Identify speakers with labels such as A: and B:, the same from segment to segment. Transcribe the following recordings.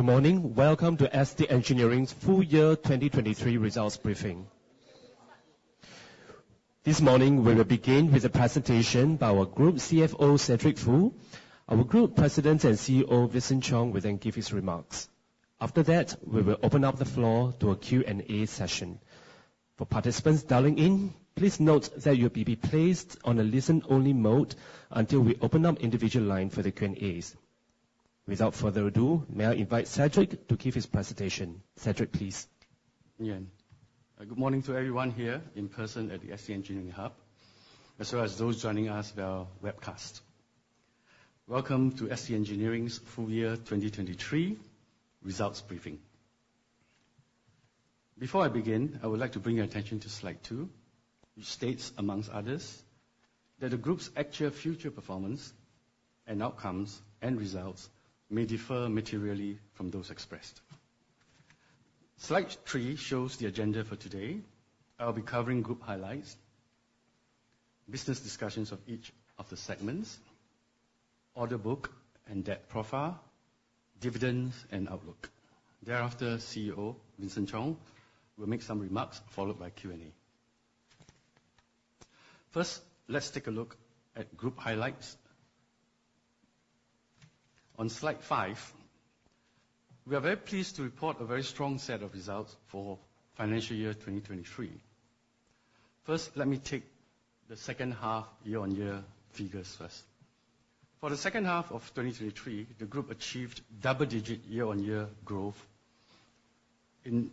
A: Good morning, welcome to ST Engineering's Full Year 2023 results briefing. This morning we will begin with a presentation by our Group CFO Cedric Foo. Our Group President and CEO Vincent Chong will then give his remarks. After that we will open up the floor to a Q&A session. For participants dialing in, please note that you'll be placed on a listen-only mode until we open up individual lines for the Q&As. Without further ado, may I invite Cedric to give his presentation. Cedric, please.
B: Good morning to everyone here in person at the ST Engineering Hub, as well as those joining us via webcast. Welcome to ST Engineering's full year 2023 results briefing. Before I begin, I would like to bring your attention to slide two which states, among others, that the group's actual future performance and outcomes and results may differ materially from those expressed. Slide three shows the agenda for today. I'll be covering group highlights, business discussions of each of the segments, order book and debt profile, dividends and outlook. Thereafter, CEO Vincent Chong will make some remarks followed by Q&A. First, let's take a look at group highlights. On slide five, we are very pleased to report a very strong set of results for financial year 2023. First, let me take the second half year-on-year figures first. For the second half of 2023, the group achieved double-digit year-on-year growth in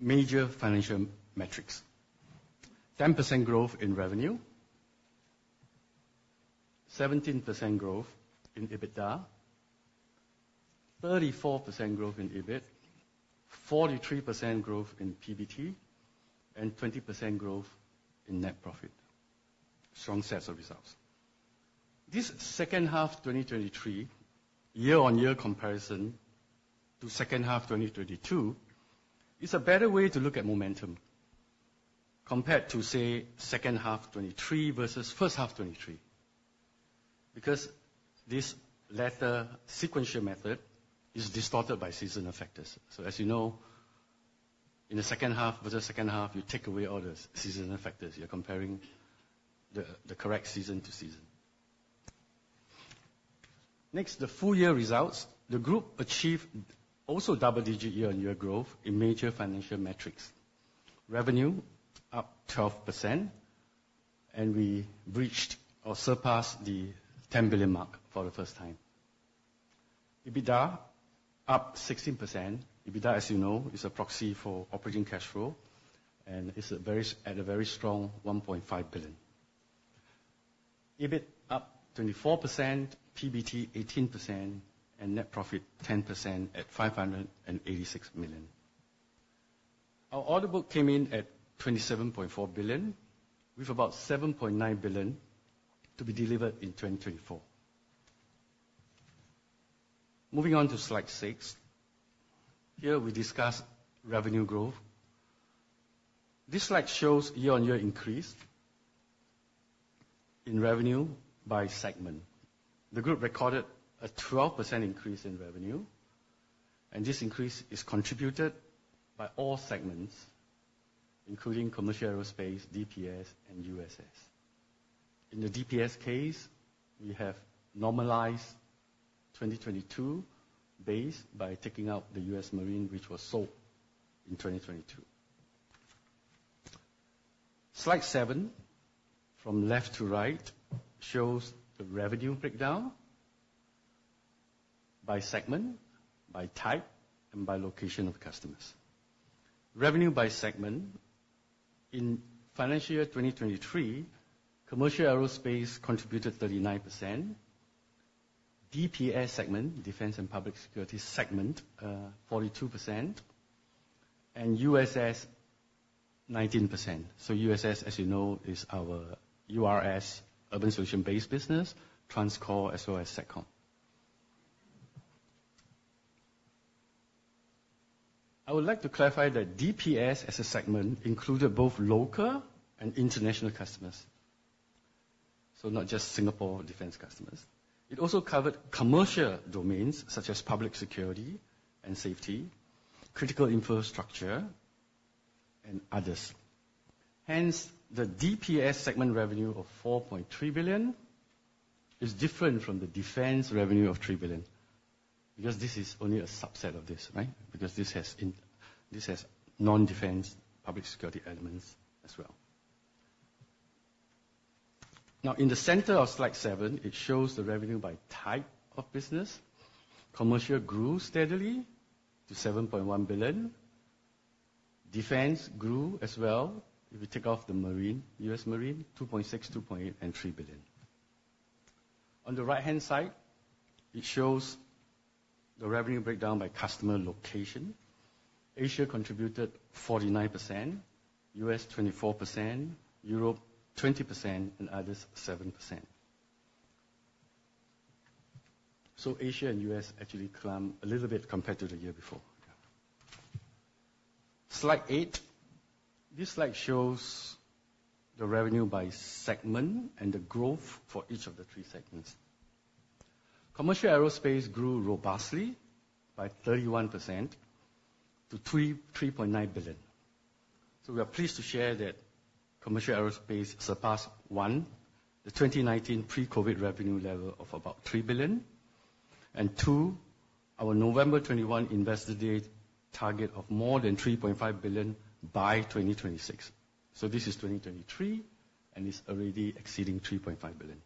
B: major financial metrics: 10% growth in revenue, 17% growth in EBITDA, 34% growth in EBIT, 43% growth in PBT, and 20% growth in net profit. Strong sets of results. This second half 2023 year-on-year comparison to second half 2022 is a better way to look at momentum compared to, say, second half 2023 versus first half 2023, because this latter sequential method is distorted by seasonal factors. So as you know, in the second half versus second half, you take away all the seasonal factors. You're comparing the correct season to season. Next, the full year results. The group achieved also double-digit year-on-year growth in major financial metrics. Revenue up 12%, and we breached or surpassed the 10 billion mark for the first time. EBITDA up 16%. EBITDA, as you know, is a proxy for operating cash flow, and it's at a very strong 1.5 billion. EBIT up 24%, PBT 18%, and net profit 10% at 586 million. Our order book came in at 27.4 billion, with about 7.9 billion to be delivered in 2024. Moving on to slide six. Here we discuss revenue growth. This slide shows year-on-year increase in revenue by segment. The group recorded a 12% increase in revenue, and this increase is contributed by all segments, including commercial aerospace, DBS, and USS. In the DBS case, we have normalized 2022 base by taking out the U.S Marine, which was sold in 2022. Slide seven from left to right shows the revenue breakdown by segment, by type, and by location of customers. Revenue by segment. In financial year 2023, commercial aerospace contributed 39%, DBS segment, Defense and Public Security segment, 42%, and USS 19%. So USS, as you know, is our urban solutions-based business, TransCore, as well as Satcom. I would like to clarify that DBS as a segment included both local and international customers, so not just Singapore defense customers. It also covered commercial domains such as public security and safety, critical infrastructure, and others. Hence, the DBS segment revenue of 4.3 billion is different from the defense revenue of 3 billion, because this is only a subset of this, right? Because this has non-defense public security elements as well. Now, in the center of slide seven, it shows the revenue by type of business. Commercial grew steadily to 7.1 billion. Defense grew as well. If you take off the Marine, U.S. Marine, 2.6 billion, 2.8 billion, and 3 billion. On the right-hand side, it shows the revenue breakdown by customer location. Asia contributed 49%, U.S. 24%, Europe 20%, and others 7%. So Asia and U.S. actually climbed a little bit compared to the year before. Slide eight. This slide shows the revenue by segment and the growth for each of the three segments. Commercial Aerospace grew robustly by 31% to 3.9 billion. So we are pleased to share that Commercial Aerospace surpassed one, the 2019 pre-COVID revenue level of about 3 billion, and two, our November 2021 investor day target of more than 3.5 billion by 2026. So this is 2023, and it's already exceeding 3.5 billion.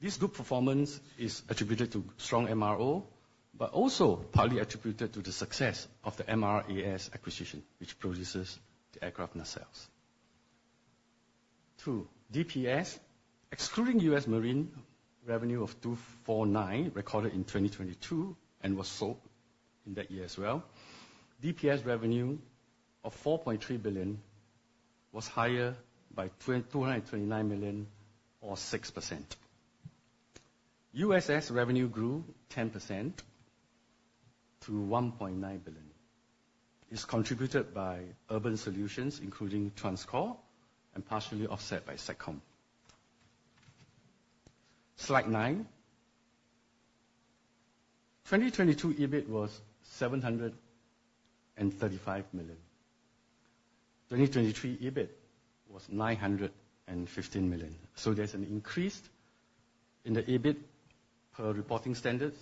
B: This group performance is attributed to strong MRO, but also partly attributed to the success of the MRAS acquisition, which produces the aircraft nacelle. Two, DBS, excluding U.S. Marine, revenue of 249 million recorded in 2022 and was sold in that year as well. DBS revenue of 4.3 billion was higher by 229 million or 6%. USS revenue grew 10% to 1.9 billion. It's contributed by Urban Solutions, including TransCore, and partially offset by Satcom. Slide 9. 2022 EBIT was 735 million. 2023 EBIT was 915 million. So there's an increase in the EBIT per reporting standards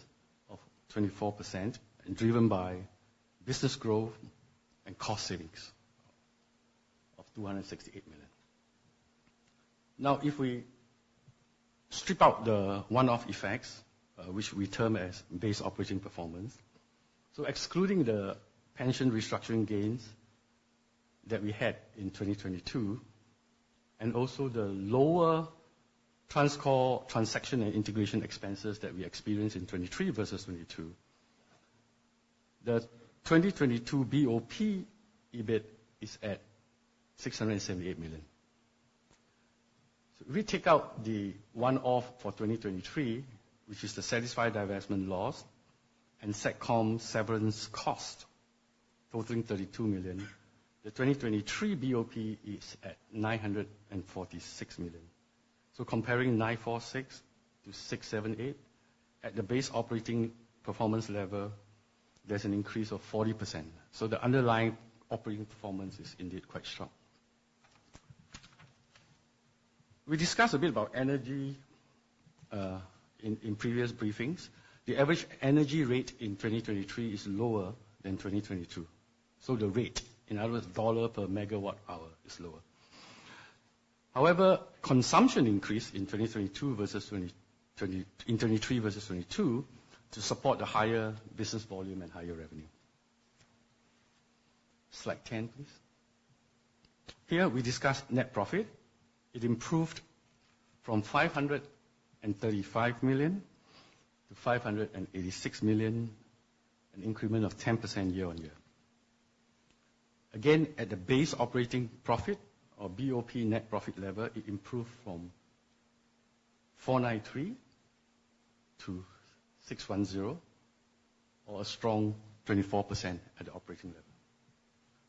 B: of 24%, driven by business growth and cost savings of 268 million. Now, if we strip out the one-off effects, which we term as base operating performance, so excluding the pension restructuring gains that we had in 2022 and also the lower TransCore transaction and integration expenses that we experienced in 2023 versus 2022, the 2022 BOP EBIT is at 678 million. So if we take out the one-off for 2023, which is the Satcom divestment loss and Satcom severance cost totaling SGD 32 million, the 2023 BOP is at SGD 946 million. So comparing 946 to 678, at the base operating performance level, there's an increase of 40%. So the underlying operating performance is indeed quite strong. We discussed a bit about energy in previous briefings. The average energy rate in 2023 is lower than 2022. So the rate, in other words, dollar per megawatt-hour is lower. However, consumption increased in 2023 versus 2022 to support the higher business volume and higher revenue. Slide 10, please. Here we discuss net profit. It improved from 535 million to 586 million, an increment of 10% year-on-year. Again, at the base operating profit or BOP net profit level, it improved from 493 million to 610 million, or a strong 24% at the operating level.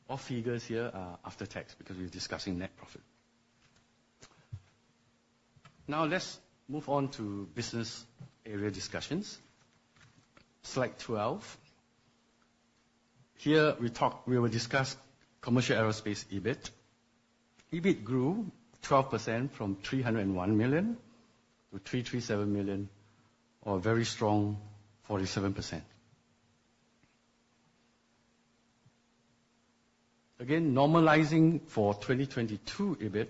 B: All figures here are after tax because we're discussing net profit. Now, let's move on to business area discussions. Slide 12. Here we will discuss commercial aerospace EBIT. EBIT grew 12% from 301 million to 337 million, or a very strong 47%. Again, normalizing for 2022 EBIT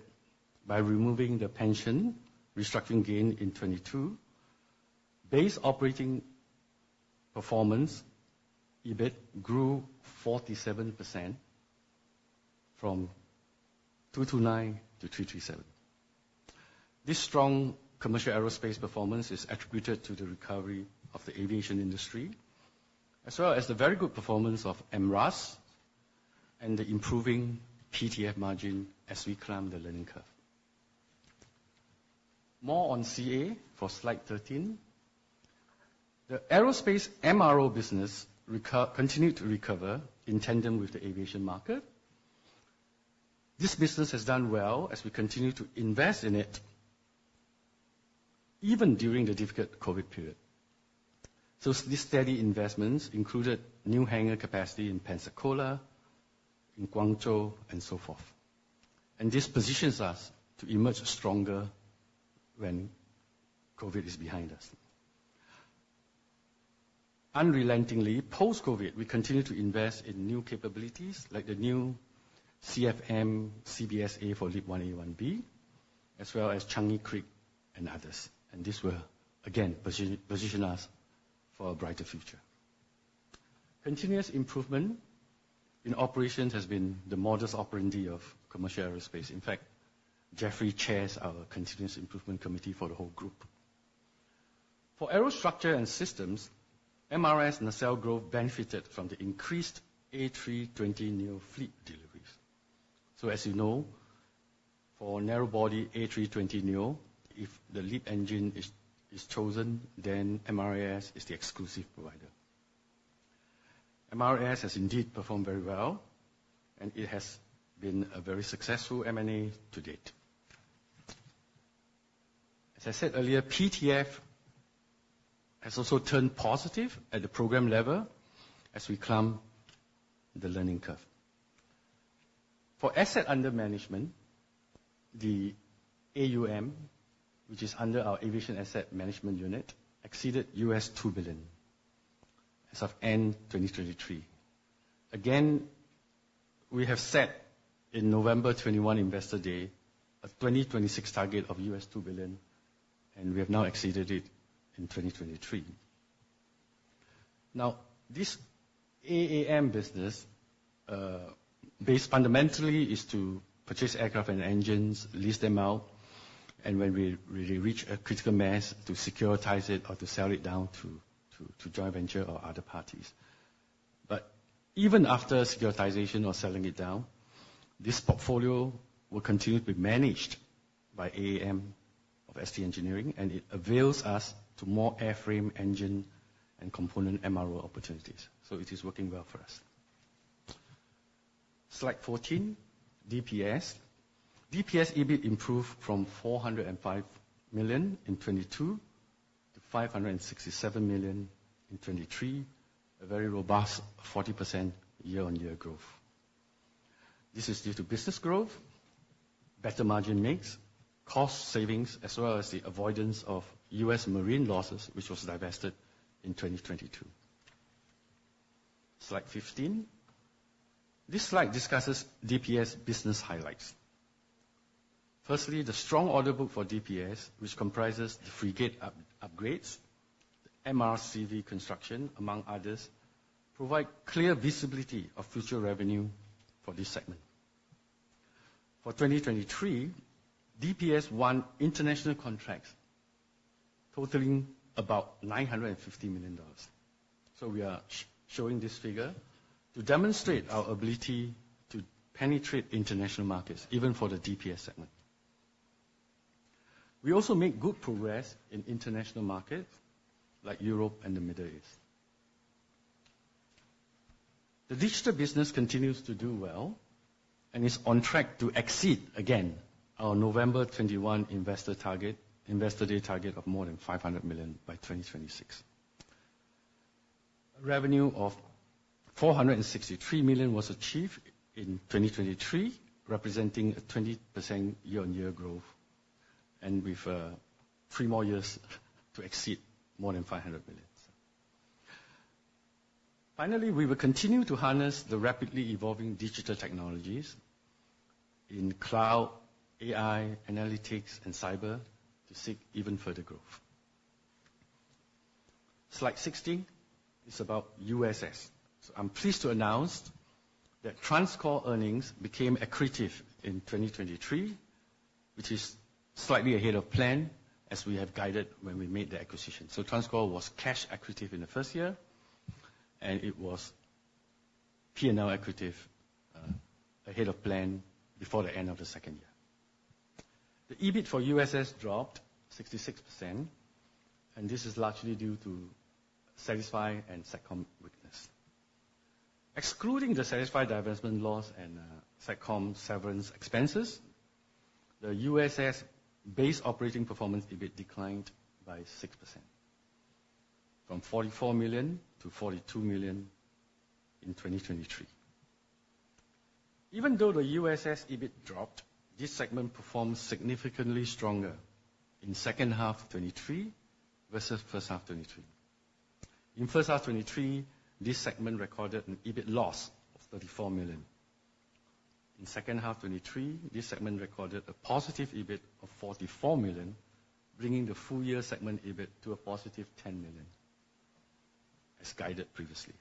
B: by removing the pension restructuring gain in 2022, base operating performance EBIT grew 47% from 229 million to 337 million. This strong commercial aerospace performance is attributed to the recovery of the aviation industry, as well as the very good performance of MRAS and the improving PTF margin as we climb the learning curve. More on CA for slide 13. The aerospace MRO business continued to recover in tandem with the aviation market. This business has done well as we continue to invest in it, even during the difficult COVID period. So these steady investments included new hangar capacity in Pensacola, in Guangzhou, and so forth. And this positions us to emerge stronger when COVID is behind us. Unrelentingly, post-COVID, we continue to invest in new capabilities like the new CFM CBSA for LEAP-1A/1B, as well as Changi Creek and others. These will, again, position us for a brighter future. Continuous improvement in operations has been the modus operandi of commercial aerospace. In fact, Jeffrey chairs our continuous improvement committee for the whole group. For aerostructures and systems, MRAS nacelle growth benefited from the increased A320neo fleet deliveries. So as you know, for narrow-body A320neo, if the LEAP engine is chosen, then MRAS is the exclusive provider. MRAS has indeed performed very well, and it has been a very successful M&A to date. As I said earlier, PTF has also turned positive at the program level as we climb the learning curve. For asset under management, the AUM, which is under our Aviation Asset Management Unit, exceeded $2 billion as of end 2023. Again, we have set in November 2021 investor day a 2026 target of $2 billion, and we have now exceeded it in 2023. Now, this AAM business, based fundamentally, is to purchase aircraft and engines, lease them out, and when we reach a critical mass, to securitize it or to sell it down to joint venture or other parties. But even after securitization or selling it down, this portfolio will continue to be managed by AAM of ST Engineering, and it avails us to more airframe engine and component MRO opportunities. So it is working well for us. Slide 14, DBS. DBS EBIT improved from 405 million in 2022 to 567 million in 2023, a very robust 40% year-on-year growth. This is due to business growth, better margin makes, cost savings, as well as the avoidance of U.S. Marine losses, which was divested in 2022. Slide 15. This slide discusses DBS business highlights. Firstly, the strong order book for DBS, which comprises the frigate upgrades, the MRCV construction, among others, provide clear visibility of future revenue for this segment. For 2023, DBS won international contracts totaling about $950 million. So we are showing this figure to demonstrate our ability to penetrate international markets, even for the DBS segment. We also make good progress in international markets like Europe and the Middle East. The digital business continues to do well and is on track to exceed again our November 21 investor day target of more than 500 million by 2026. Revenue of 463 million was achieved in 2023, representing a 20% year-on-year growth, and we have three more years to exceed more than 500 million. Finally, we will continue to harness the rapidly evolving digital technologies in cloud, AI, analytics, and cyber to seek even further growth. Slide 16 is about USS. I'm pleased to announce that TransCore earnings became accretive in 2023, which is slightly ahead of plan as we have guided when we made the acquisition. TransCore was cash accretive in the first year, and it was P&L accretive ahead of plan before the end of the second year. The EBIT for USS dropped 66%, and this is largely due to Satcom and Satcom weakness. Excluding the Satcom divestment loss and Satcom severance expenses, the USS base operating performance EBIT declined by 6% from 44 million to 42 million in 2023. Even though the USS EBIT dropped, this segment performed significantly stronger in second half 2023 versus first half 2023. In first half 2023, this segment recorded an EBIT loss of SGD 34 million. In second half 2023, this segment recorded a positive EBIT of SGD 44 million, bringing the full-year segment EBIT to a positive SGD 10 million, as guided previously.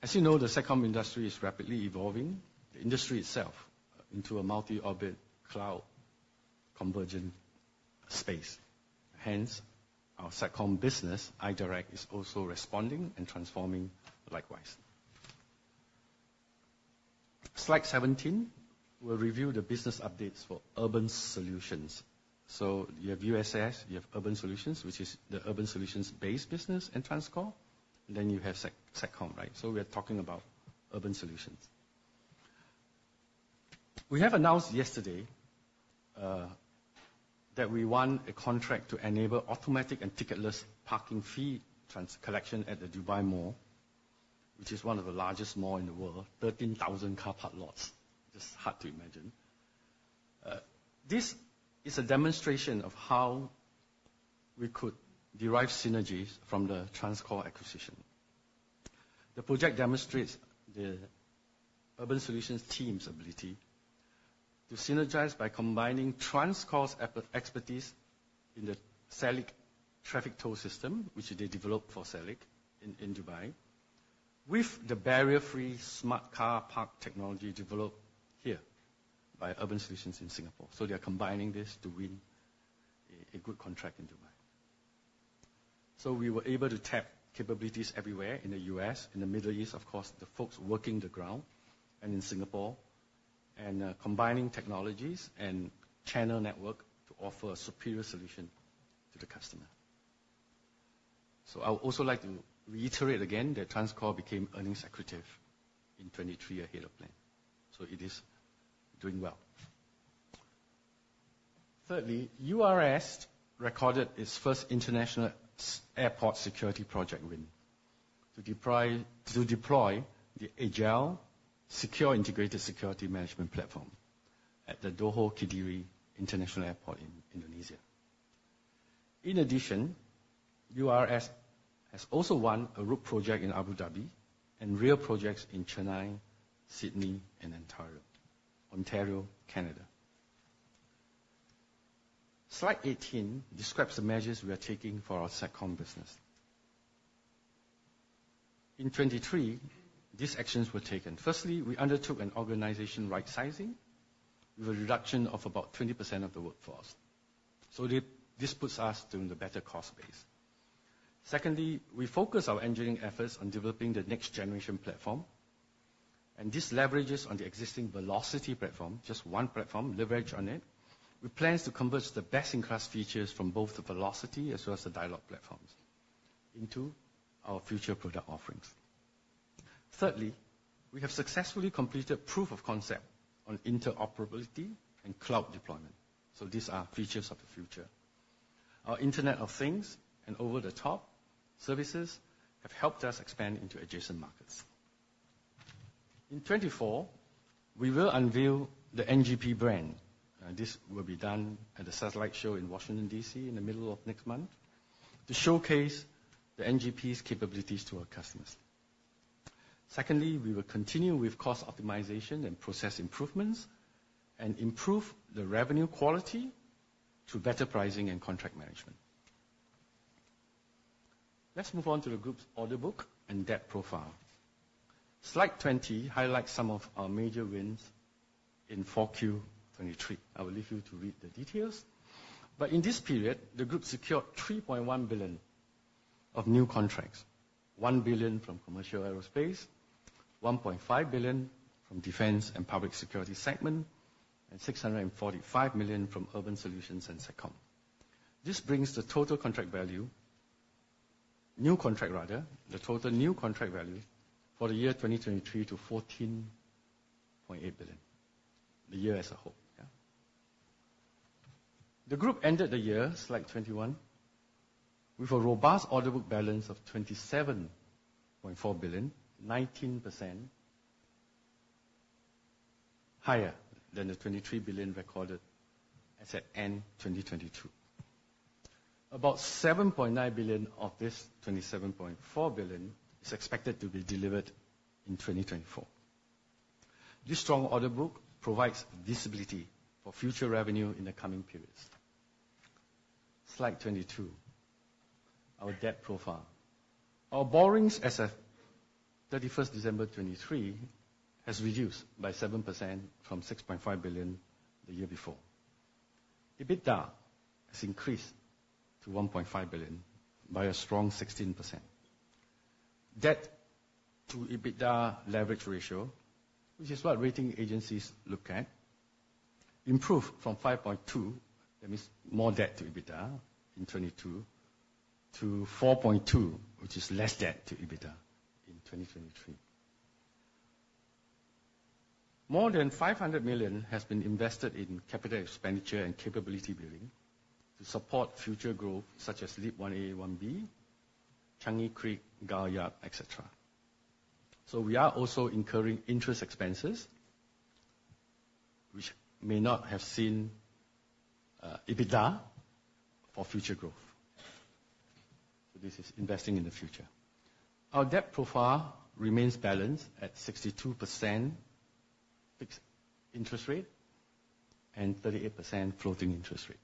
B: As you know, the Satcom industry is rapidly evolving, the industry itself, into a multi-orbit cloud convergent space. Hence, our Satcom business, iDirect, is also responding and transforming likewise. Slide 17 will review the business updates for urban solutions. So you have USS, you have urban solutions, which is the urban solutions-based business, and TransCore. Then you have Satcom, right? So we are talking about urban solutions. We have announced yesterday that we won a contract to enable automatic and ticketless parking fee collection at the Dubai Mall, which is one of the largest malls in the world, 13,000 car park lots. Just hard to imagine. This is a demonstration of how we could derive synergies from the TransCore acquisition. The project demonstrates the Urban Solutions team's ability to synergize by combining TransCore's expertise in the Salik traffic toll system, which they developed for Salik in Dubai, with the barrier-free smart car park technology developed here by Urban Solutions in Singapore. So they are combining this to win a good contract in Dubai. So we were able to tap capabilities everywhere in the U.S., in the Middle East, of course, the folks working the ground, and in Singapore, and combining technologies and channel network to offer a superior solution to the customer. So I would also like to reiterate again that TransCore became earnings accretive in 2023 ahead of plan. So it is doing well. Thirdly, USS recorded its first international airport security project win to deploy the AGIL Secure Integrated Security Management Platform at the Dhoho Kediri International Airport in Indonesia. In addition, USS has also won a rail project in Abu Dhabi and rail projects in Chennai, Sydney, and Ontario, Canada. Slide 18 describes the measures we are taking for our Satcom business. In 2023, these actions were taken. Firstly, we undertook an organizational right-sizing with a reduction of about 20% of the workforce. So this puts us on a better cost base. Secondly, we focus our engineering efforts on developing the next-generation platform, and this leverages on the existing Velocity platform, just one platform, leverage on it, with plans to convert the best-in-class features from both the Velocity as well as the Dialogue platforms into our future product offerings. Thirdly, we have successfully completed proof of concept on interoperability and cloud deployment. So these are features of the future. Our Internet of Things and over-the-top services have helped us expand into adjacent markets. In 2024, we will unveil the NGP brand. This will be done at the Satellite Show in Washington, D.C., in the middle of next month to showcase the NGP's capabilities to our customers. Secondly, we will continue with cost optimization and process improvements and improve the revenue quality through better pricing and contract management. Let's move on to the group's order book and debt profile. Slide 20 highlights some of our major wins in 4Q23. I will leave you to read the details. But in this period, the group secured 3.1 billion of new contracts, 1 billion from commercial aerospace, 1.5 billion from defense and public security segment, and 645 million from urban solutions and Satcom. This brings the total contract value, new contract rather, the total new contract value for the year 2023 to 14.8 billion, the year as a whole. The group ended the year, slide 21, with a robust order book balance of 27.4 billion, 19% higher than the 23 billion recorded as at end 2022. About 7.9 billion of this 27.4 billion is expected to be delivered in 2024. This strong order book provides visibility for future revenue in the coming periods. Slide 22, our debt profile. Our borrowings as of December 31st 2023 has reduced by 7% from 6.5 billion the year before. EBITDA has increased to 1.5 billion by a strong 16%. Debt to EBITDA leverage ratio, which is what rating agencies look at, improved from 5.2, that means more debt to EBITDA in 2022, to 4.2, which is less debt to EBITDA in 2023. More than 500 million has been invested in capital expenditure and capability building to support future growth such as LEAP-1A/1B, Changi Creek, Guangzhou, etc. So we are also incurring interest expenses, which may not be seen in EBITDA for future growth. So this is investing in the future. Our debt profile remains balanced at 62% fixed interest rate and 38% floating interest rate.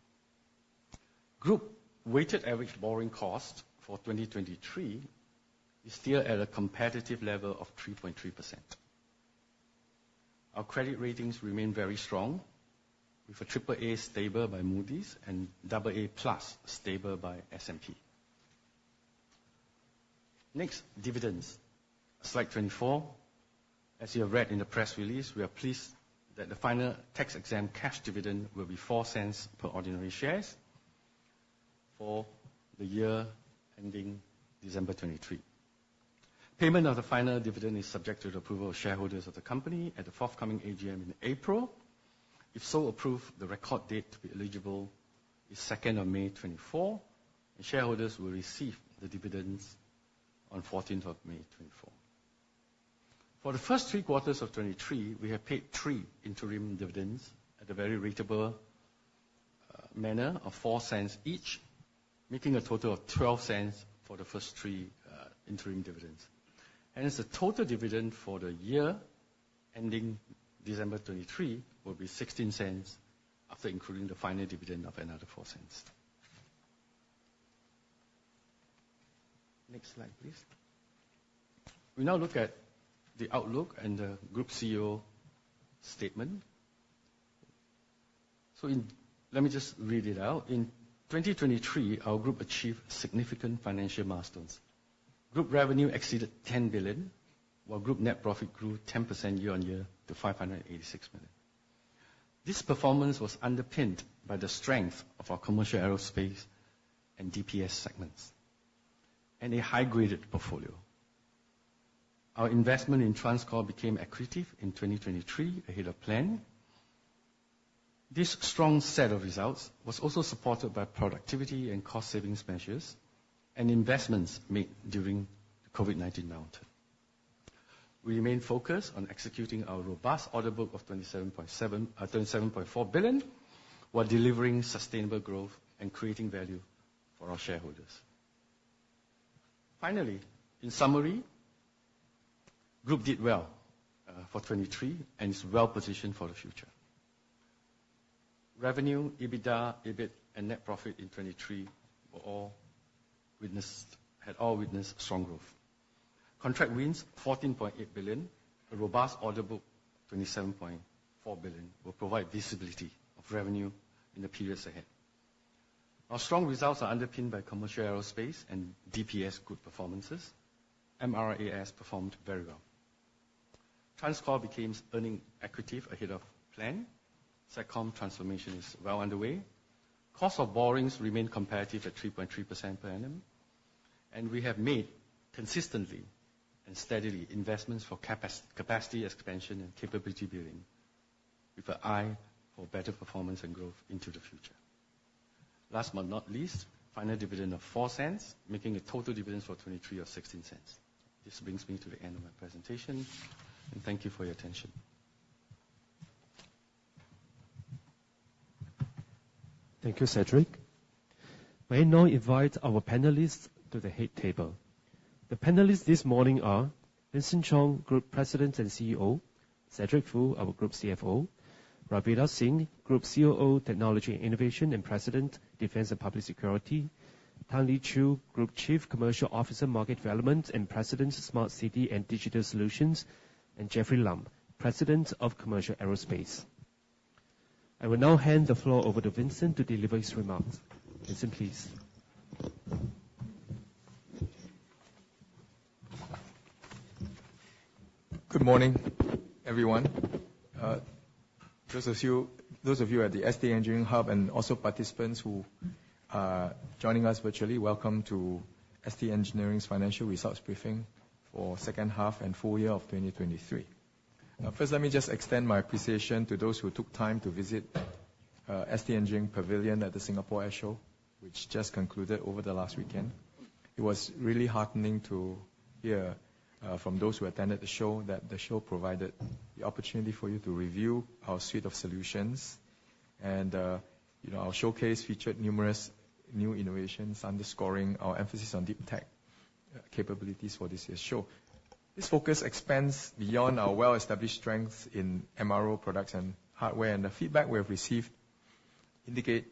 B: Group weighted average borrowing cost for 2023 is still at a competitive level of 3.3%. Our credit ratings remain very strong, with a AAA stable by Moody's and AA+ stable by S&P. Next, dividends. Slide 24. As you have read in the press release, we are pleased that the final tax-exempt cash dividend will be 0.04 per ordinary share for the year ending December 2023. Payment of the final dividend is subject to the approval of shareholders of the company at the forthcoming AGM in April. If so approved, the record date to be eligible is 2nd of May 2024, and shareholders will receive the dividends on 14th of May 2024. For the first three quarters of 2023, we have paid three interim dividends at a very ratable manner of 0.04 each, making a total of 0.12 for the first three interim dividends. Hence, the total dividend for the year ending December 2023 will be 0.16 after including the final dividend of another 0.04. Next slide, please. We now look at the outlook and the Group CEO statement. So let me just read it out. In 2023, our group achieved significant financial milestones. Group revenue exceeded 10 billion, while group net profit grew 10% year-over-year to 586 million. This performance was underpinned by the strength of our commercial aerospace and DBS segments and a high-graded portfolio. Our investment in TransCore became accretive in 2023 ahead of plan. This strong set of results was also supported by productivity and cost-savings measures and investments made during the COVID-19 downturn. We remain focused on executing our robust order book of 27.4 billion, while delivering sustainable growth and creating value for our shareholders. Finally, in summary, group did well for 2023 and is well positioned for the future. Revenue, EBITDA, EBIT, and net profit in 2023 had all witnessed strong growth. Contract wins, 14.8 billion, a robust order book, 27.4 billion, will provide visibility of revenue in the periods ahead. Our strong results are underpinned by commercial aerospace and DBS good performances. MRAS performed very well. TransCore became earnings accretive ahead of plan. Satcom transformation is well underway. Cost of borrowings remained competitive at 3.3% per annum, and we have made consistently and steadily investments for capacity expansion and capability building with an eye for better performance and growth into the future. Last but not least, final dividend of 0.04, making a total dividend for 2023 of 0.16. This brings me to the end of my presentation, and thank you for your attention.
A: Thank you, Cedric. May I now invite our panelists to the head table? The panelists this morning are Vincent Chong, Group President and CEO; Cedric Foo, our Group CFO; Ravinder Singh, Group COO Technology and Innovation and President, Defense and Public Security; Tan Lee Chew, Group Chief Commercial Officer Market Development and President, Smart City and Digital Solutions; and Jeffrey Lam, President of Commercial Aerospace. I will now hand the floor over to Vincent to deliver his remarks. Vincent, please.
C: Good morning, everyone. Those of you at the ST Engineering Hub and also participants who are joining us virtually, welcome to ST Engineering's financial results briefing for second half and full year of 2023. First, let me just extend my appreciation to those who took time to visit ST Engineering Pavilion at the Singapore Air Show, which just concluded over the last weekend. It was really heartening to hear from those who attended the show that the show provided the opportunity for you to review our suite of solutions, and our showcase featured numerous new innovations underscoring our emphasis on deep tech capabilities for this year's show. This focus expands beyond our well-established strengths in MRO products and hardware, and the feedback we have received indicates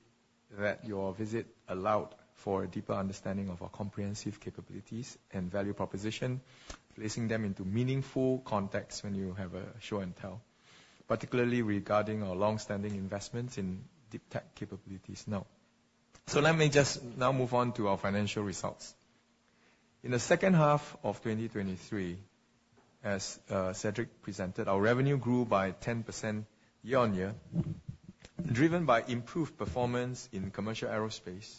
C: that your visit allowed for a deeper understanding of our comprehensive capabilities and value proposition, placing them into meaningful context when you have a show and tell, particularly regarding our longstanding investments in deep tech capabilities now. So let me just now move on to our financial results. In the second half of 2023, as Cedric presented, our revenue grew by 10% year-on-year, driven by improved performance in commercial aerospace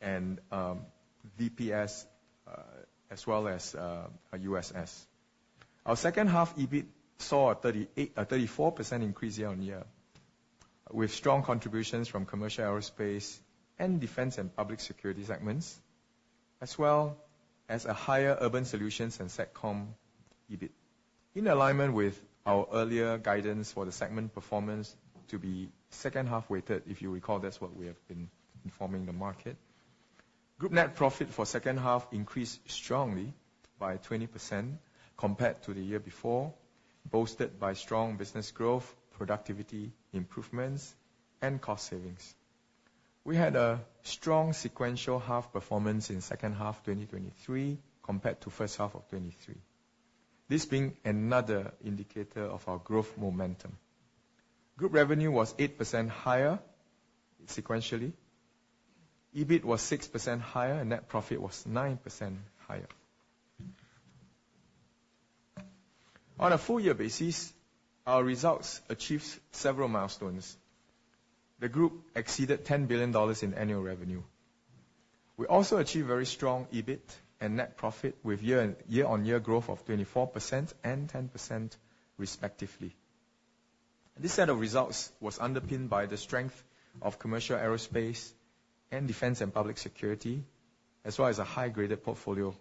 C: and DBS as well as USS. Our second half EBIT saw a 34% increase year-on-year with strong contributions from commercial aerospace and defense and public security segments, as well as a higher urban solutions and Satcom EBIT, in alignment with our earlier guidance for the segment performance to be second-half weighted, if you recall, that's what we have been informing the market. Group net profit for second half increased strongly by 20% compared to the year before, boosted by strong business growth, productivity improvements, and cost savings. We had a strong sequential half performance in second half 2023 compared to first half of 2023, this being another indicator of our growth momentum. Group revenue was 8% higher sequentially. EBIT was 6% higher, and net profit was 9% higher. On a full-year basis, our results achieved several milestones. The Group exceeded 10 billion dollars in annual revenue. We also achieved very strong EBIT and net profit with year-on-year growth of 24% and 10% respectively. This set of results was underpinned by the strength of commercial aerospace and defense and public security, as well as a high-graded portfolio.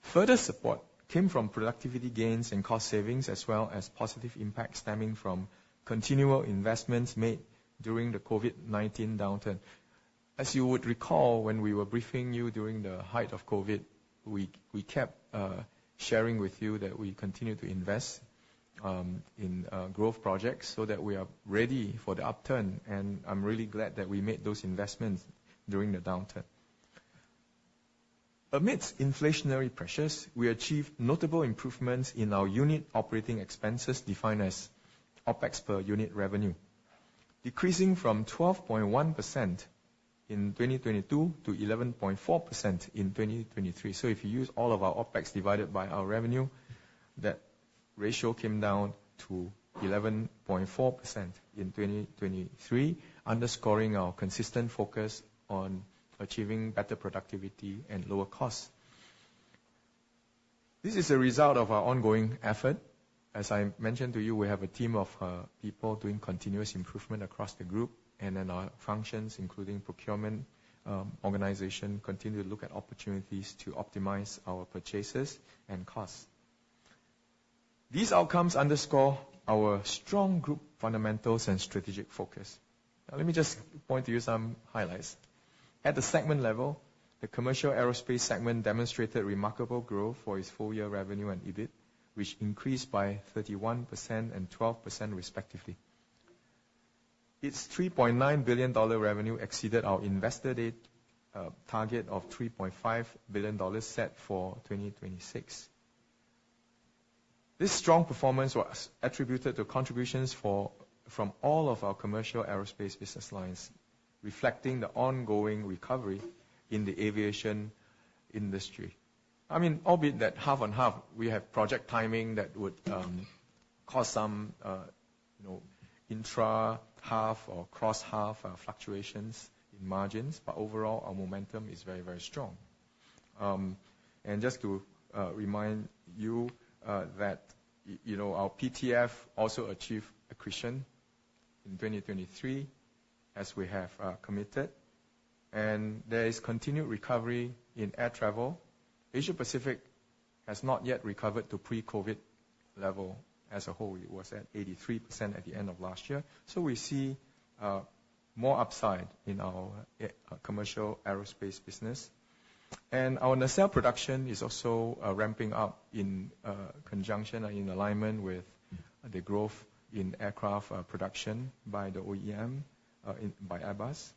C: Further support came from productivity gains and cost savings, as well as positive impact stemming from continual investments made during the COVID-19 downturn. As you would recall when we were briefing you during the height of COVID, we kept sharing with you that we continue to invest in growth projects so that we are ready for the upturn, and I am really glad that we made those investments during the downturn. Amidst inflationary pressures, we achieved notable improvements in our unit operating expenses defined as OpEx per unit revenue, decreasing from 12.1% in 2022 to 11.4% in 2023. So if you use all of our OpEx divided by our revenue, that ratio came down to 11.4% in 2023, underscoring our consistent focus on achieving better productivity and lower costs. This is a result of our ongoing effort. As I mentioned to you, we have a team of people doing continuous improvement across the group, and then our functions, including procurement organization, continue to look at opportunities to optimize our purchases and costs. These outcomes underscore our strong group fundamentals and strategic focus. Let me just point to you some highlights. At the segment level, the commercial aerospace segment demonstrated remarkable growth for its full year revenue and EBIT, which increased by 31% and 12% respectively. Its 3.9 billion dollar revenue exceeded our investor day target of 3.5 billion dollars set for 2026. This strong performance was attributed to contributions from all of our commercial aerospace business lines, reflecting the ongoing recovery in the aviation industry. I mean, albeit that half and half, we have project timing that would cause some intra-half or cross-half fluctuations in margins, but overall, our momentum is very, very strong. And just to remind you that our PTF also achieved accretion in 2023, as we have committed, and there is continued recovery in air travel. Asia Pacific has not yet recovered to pre-COVID level as a whole. It was at 83% at the end of last year, so we see more upside in our commercial aerospace business. And our nacelle production is also ramping up in conjunction and in alignment with the growth in aircraft production by the OEM, by Airbus.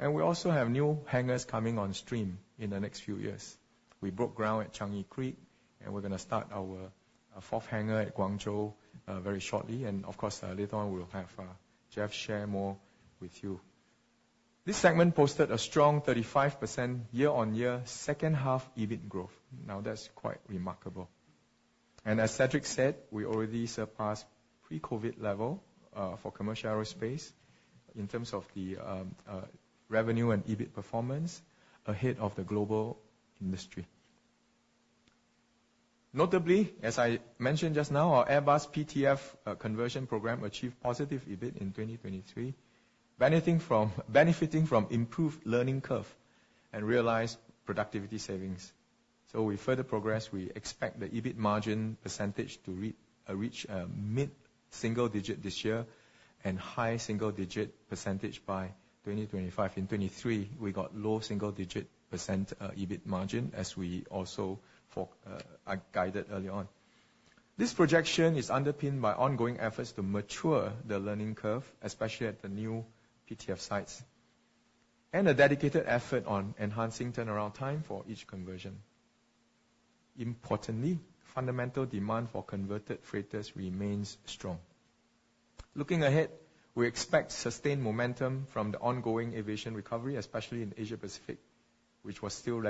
C: And we also have new hangars coming on stream in the next few years. We broke ground at Changi Creek, and we're going to start our fourth hangar at Guangzhou very shortly, and of course, later on, we'll have Jeff share more with you. This segment posted a strong 35% year-on-year second half EBIT growth. Now, that's quite remarkable. As Cedric said, we already surpassed pre-COVID level for commercial aerospace in terms of the revenue and EBIT performance ahead of the global industry. Notably, as I mentioned just now, our Airbus PTF conversion programme achieved positive EBIT in 2023, benefiting from improved learning curve and realized productivity savings. With further progress, we expect the EBIT margin percentage to reach a mid-single digit this year and high single digit percentage by 2025. In 2023, we got low single digit % EBIT margin, as we also guided early on. This projection is underpinned by ongoing efforts to mature the learning curve, especially at the new PTF sites, and a dedicated effort on enhancing turnaround time for each conversion. Importantly, fundamental demand for converted freighters remains strong. Looking ahead, we expect sustained momentum from the ongoing aviation recovery, especially in Asia Pacific, which was still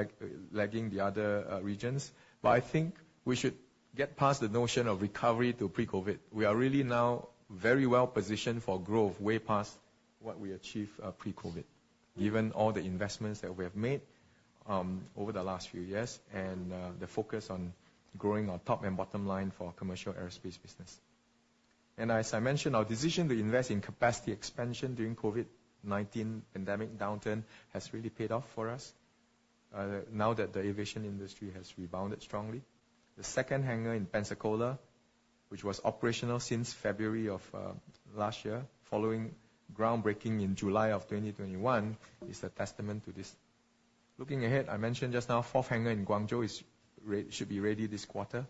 C: lagging the other regions, but I think we should get past the notion of recovery to pre-COVID. We are really now very well positioned for growth, way past what we achieved pre-COVID, given all the investments that we have made over the last few years and the focus on growing our top and bottom line for commercial aerospace business. And as I mentioned, our decision to invest in capacity expansion during COVID-19 pandemic downturn has really paid off for us now that the aviation industry has rebounded strongly. The second hangar in Pensacola, which was operational since February of last year following groundbreaking in July of 2021, is a testament to this. Looking ahead, I mentioned just now, fourth hangar in Guangzhou should be ready this quarter,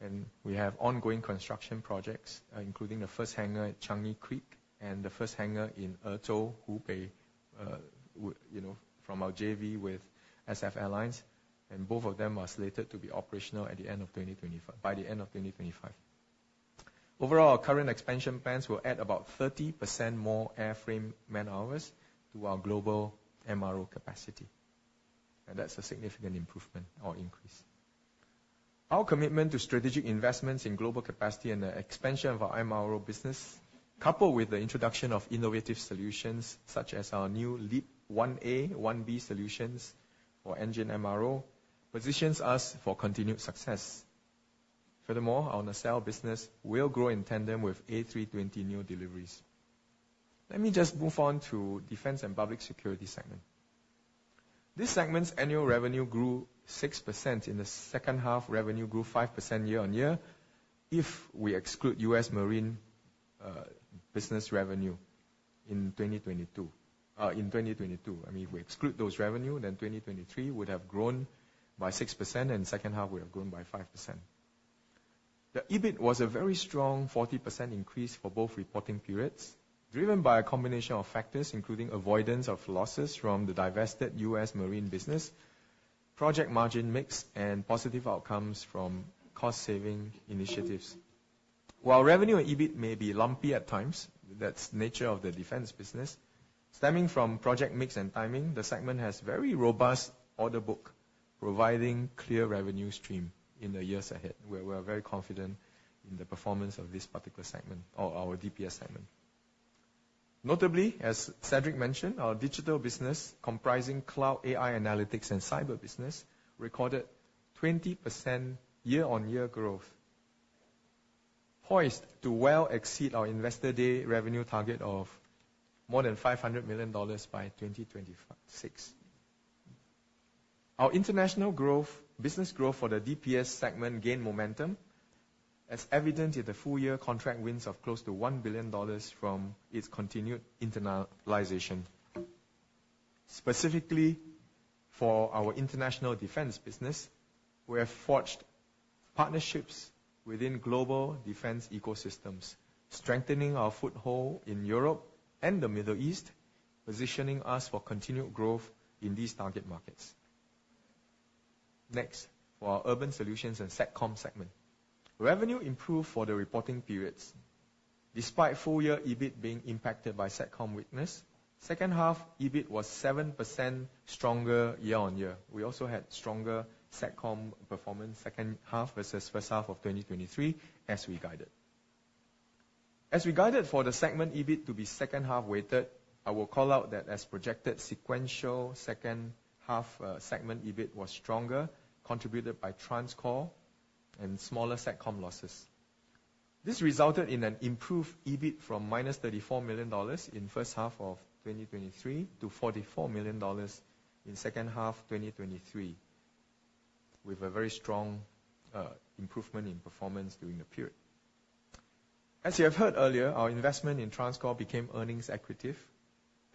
C: and we have ongoing construction projects, including the first hangar at Changi Creek and the first hangar in Ezhou, Hubei from our JV with SF Airlines, and both of them are slated to be operational by the end of 2025. Overall, our current expansion plans will add about 30% more airframe man-hours to our global MRO capacity, and that's a significant improvement or increase. Our commitment to strategic investments in global capacity and the expansion of our MRO business, coupled with the introduction of innovative solutions such as our new LEAP-1A, 1B solutions for engine MRO, positions us for continued success. Furthermore, our nacelle business will grow in tandem with A320 new deliveries. Let me just move on to defense and public security segment. This segment's annual revenue grew 6% in the second half, revenue grew 5% year-on-year if we exclude U.S. marine business revenue in 2022. I mean, if we exclude those revenues, then 2023 would have grown by 6%, and the second half would have grown by 5%. The EBIT was a very strong 40% increase for both reporting periods, driven by a combination of factors, including avoidance of losses from the divested U.S. marine business, project margin mix, and positive outcomes from cost-saving initiatives. While revenue and EBIT may be lumpy at times, that's the nature of the defense business, stemming from project mix and timing. The segment has very robust order book providing clear revenue stream in the years ahead, where we are very confident in the performance of this particular segment, our DBS segment. Notably, as Cedric mentioned, our digital business comprising cloud AI analytics and cyber business recorded 20% year-on-year growth, poised to well exceed our investor day revenue target of more than $500 million by 2026. Our international business growth for the DBS segment gained momentum, as evident in the full year contract wins of close to $1 billion from its continued internalization. Specifically for our international defense business, we have forged partnerships within global defense ecosystems, strengthening our foothold in Europe and the Middle East, positioning us for continued growth in these target markets. Next, for our urban solutions and Satcom segment, revenue improved for the reporting periods. Despite full year EBIT being impacted by Satcom weakness, second half EBIT was 7% stronger year-on-year. We also had stronger Satcom performance second half versus first half of 2023, as we guided. As we guided for the segment EBIT to be second half weighted, I will call out that as projected, sequential second half segment EBIT was stronger, contributed by TransCore and smaller Satcom losses. This resulted in an improved EBIT from -$34 million in first half of 2023 to $44 million in second half 2023, with a very strong improvement in performance during the period. As you have heard earlier, our investment in TransCore became earnings accretive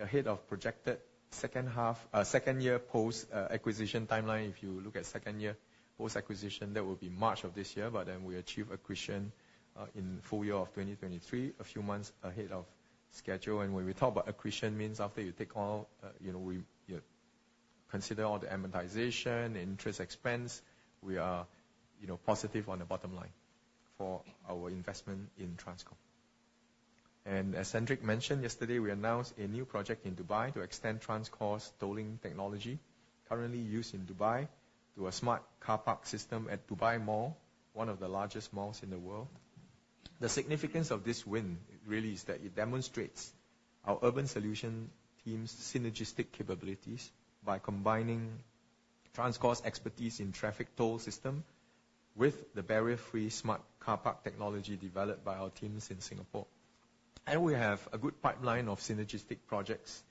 C: ahead of projected second year post-acquisition timeline. If you look at second year post-acquisition, that will be March of this year, but then we achieve accretion in full year of 2023, a few months ahead of schedule. When we talk about accretion means after you take all, you consider all the amortization and interest expense, we are positive on the bottom line for our investment in TransCore. As Cedric mentioned yesterday, we announced a new project in Dubai to extend TransCore tolling technology currently used in Dubai to a smart car park system at Dubai Mall, one of the largest malls in the world. The significance of this win really is that it demonstrates our urban solutions team's synergistic capabilities by combining TransCore expertise in traffic toll system with the barrier-free smart car park technology developed by our teams in Singapore. We have a good pipeline of synergistic projects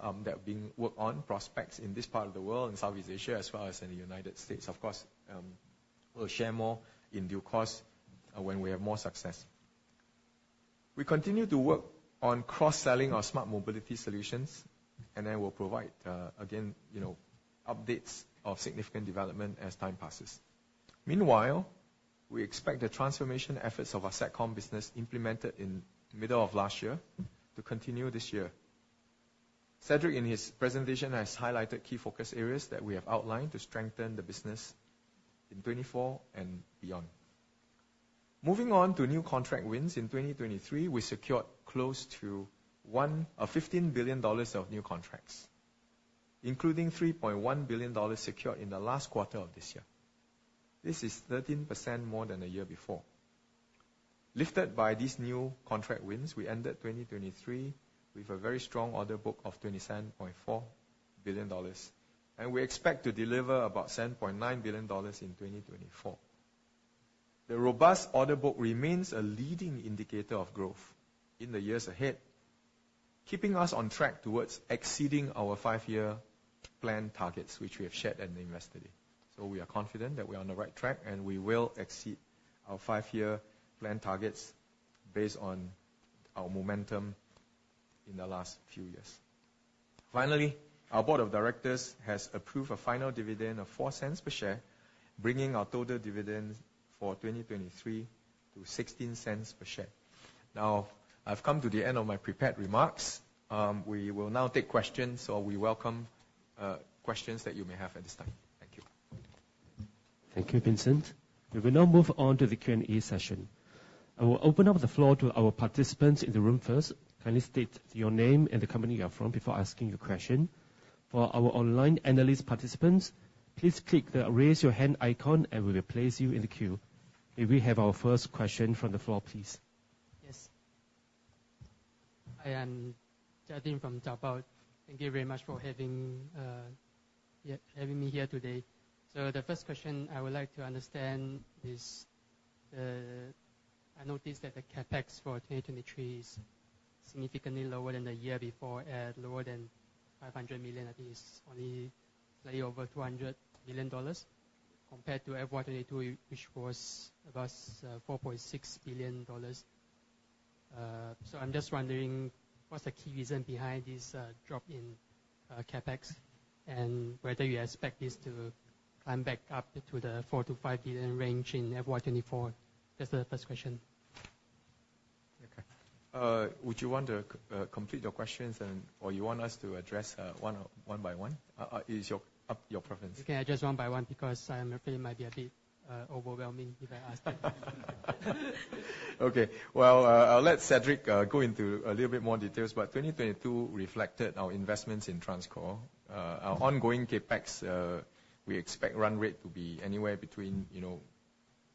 C: that are being worked on, prospects in this part of the world, in Southeast Asia, as well as in the United States. Of course, we'll share more in due course when we have more success. We continue to work on cross-selling our smart mobility solutions, and then we'll provide, again, updates of significant development as time passes. Meanwhile, we expect the transformation efforts of our Satcom business implemented in the middle of last year to continue this year. Cedric, in his presentation, has highlighted key focus areas that we have outlined to strengthen the business in 2024 and beyond. Moving on to new contract wins in 2023, we secured close to $15 billion of new contracts, including $3.1 billion secured in the last quarter of this year. This is 13% more than the year before. Lifted by these new contract wins, we ended 2023 with a very strong order book of 27.4 billion dollars, and we expect to deliver about 7.9 billion dollars in 2024. The robust order book remains a leading indicator of growth in the years ahead, keeping us on track towards exceeding our five-year planned targets, which we have shared at the investor day. So we are confident that we are on the right track, and we will exceed our five-year planned targets based on our momentum in the last few years. Finally, our board of directors has approved a final dividend of 0.04 per share, bringing our total dividend for 2023 to 0.16 per share. Now, I have come to the end of my prepared remarks. We will now take questions, so we welcome questions that you may have at this time. Thank you.
A: Thank you, Vincent. We will now move on to the Q&A session. I will open up the floor to our participants in the room first. Kindly state your name and the company you are from before asking your question. For our online analyst participants, please click the raise your hand icon, and we will place you in the queue. May we have our first question from the floor, please?
D: Yes. Hi, I'm Jatin from Jabout. Thank you very much for having me here today. The first question I would like to understand is, I noticed that the CAPEX for 2023 is significantly lower than the year before, lower than 500 million. I think it's only slightly over 200 million dollars compared to FY 2022, which was about 4.6 billion dollars. I'm just wondering, what's the key reason behind this drop in CAPEX, and whether you expect this to climb back up to the 4 billion-5 billion range in FY 2024? That's the first question.
C: Okay. Would you want to complete your questions, or you want us to address one by one? Is your preference?
E: You can address one by one because I'm afraid it might be a bit overwhelming if I ask that.
C: Okay. Well, I'll let Cedric go into a little bit more details. But 2022 reflected our investments in TransCore. Our ongoing CAPEX, we expect run rate to be anywhere between $300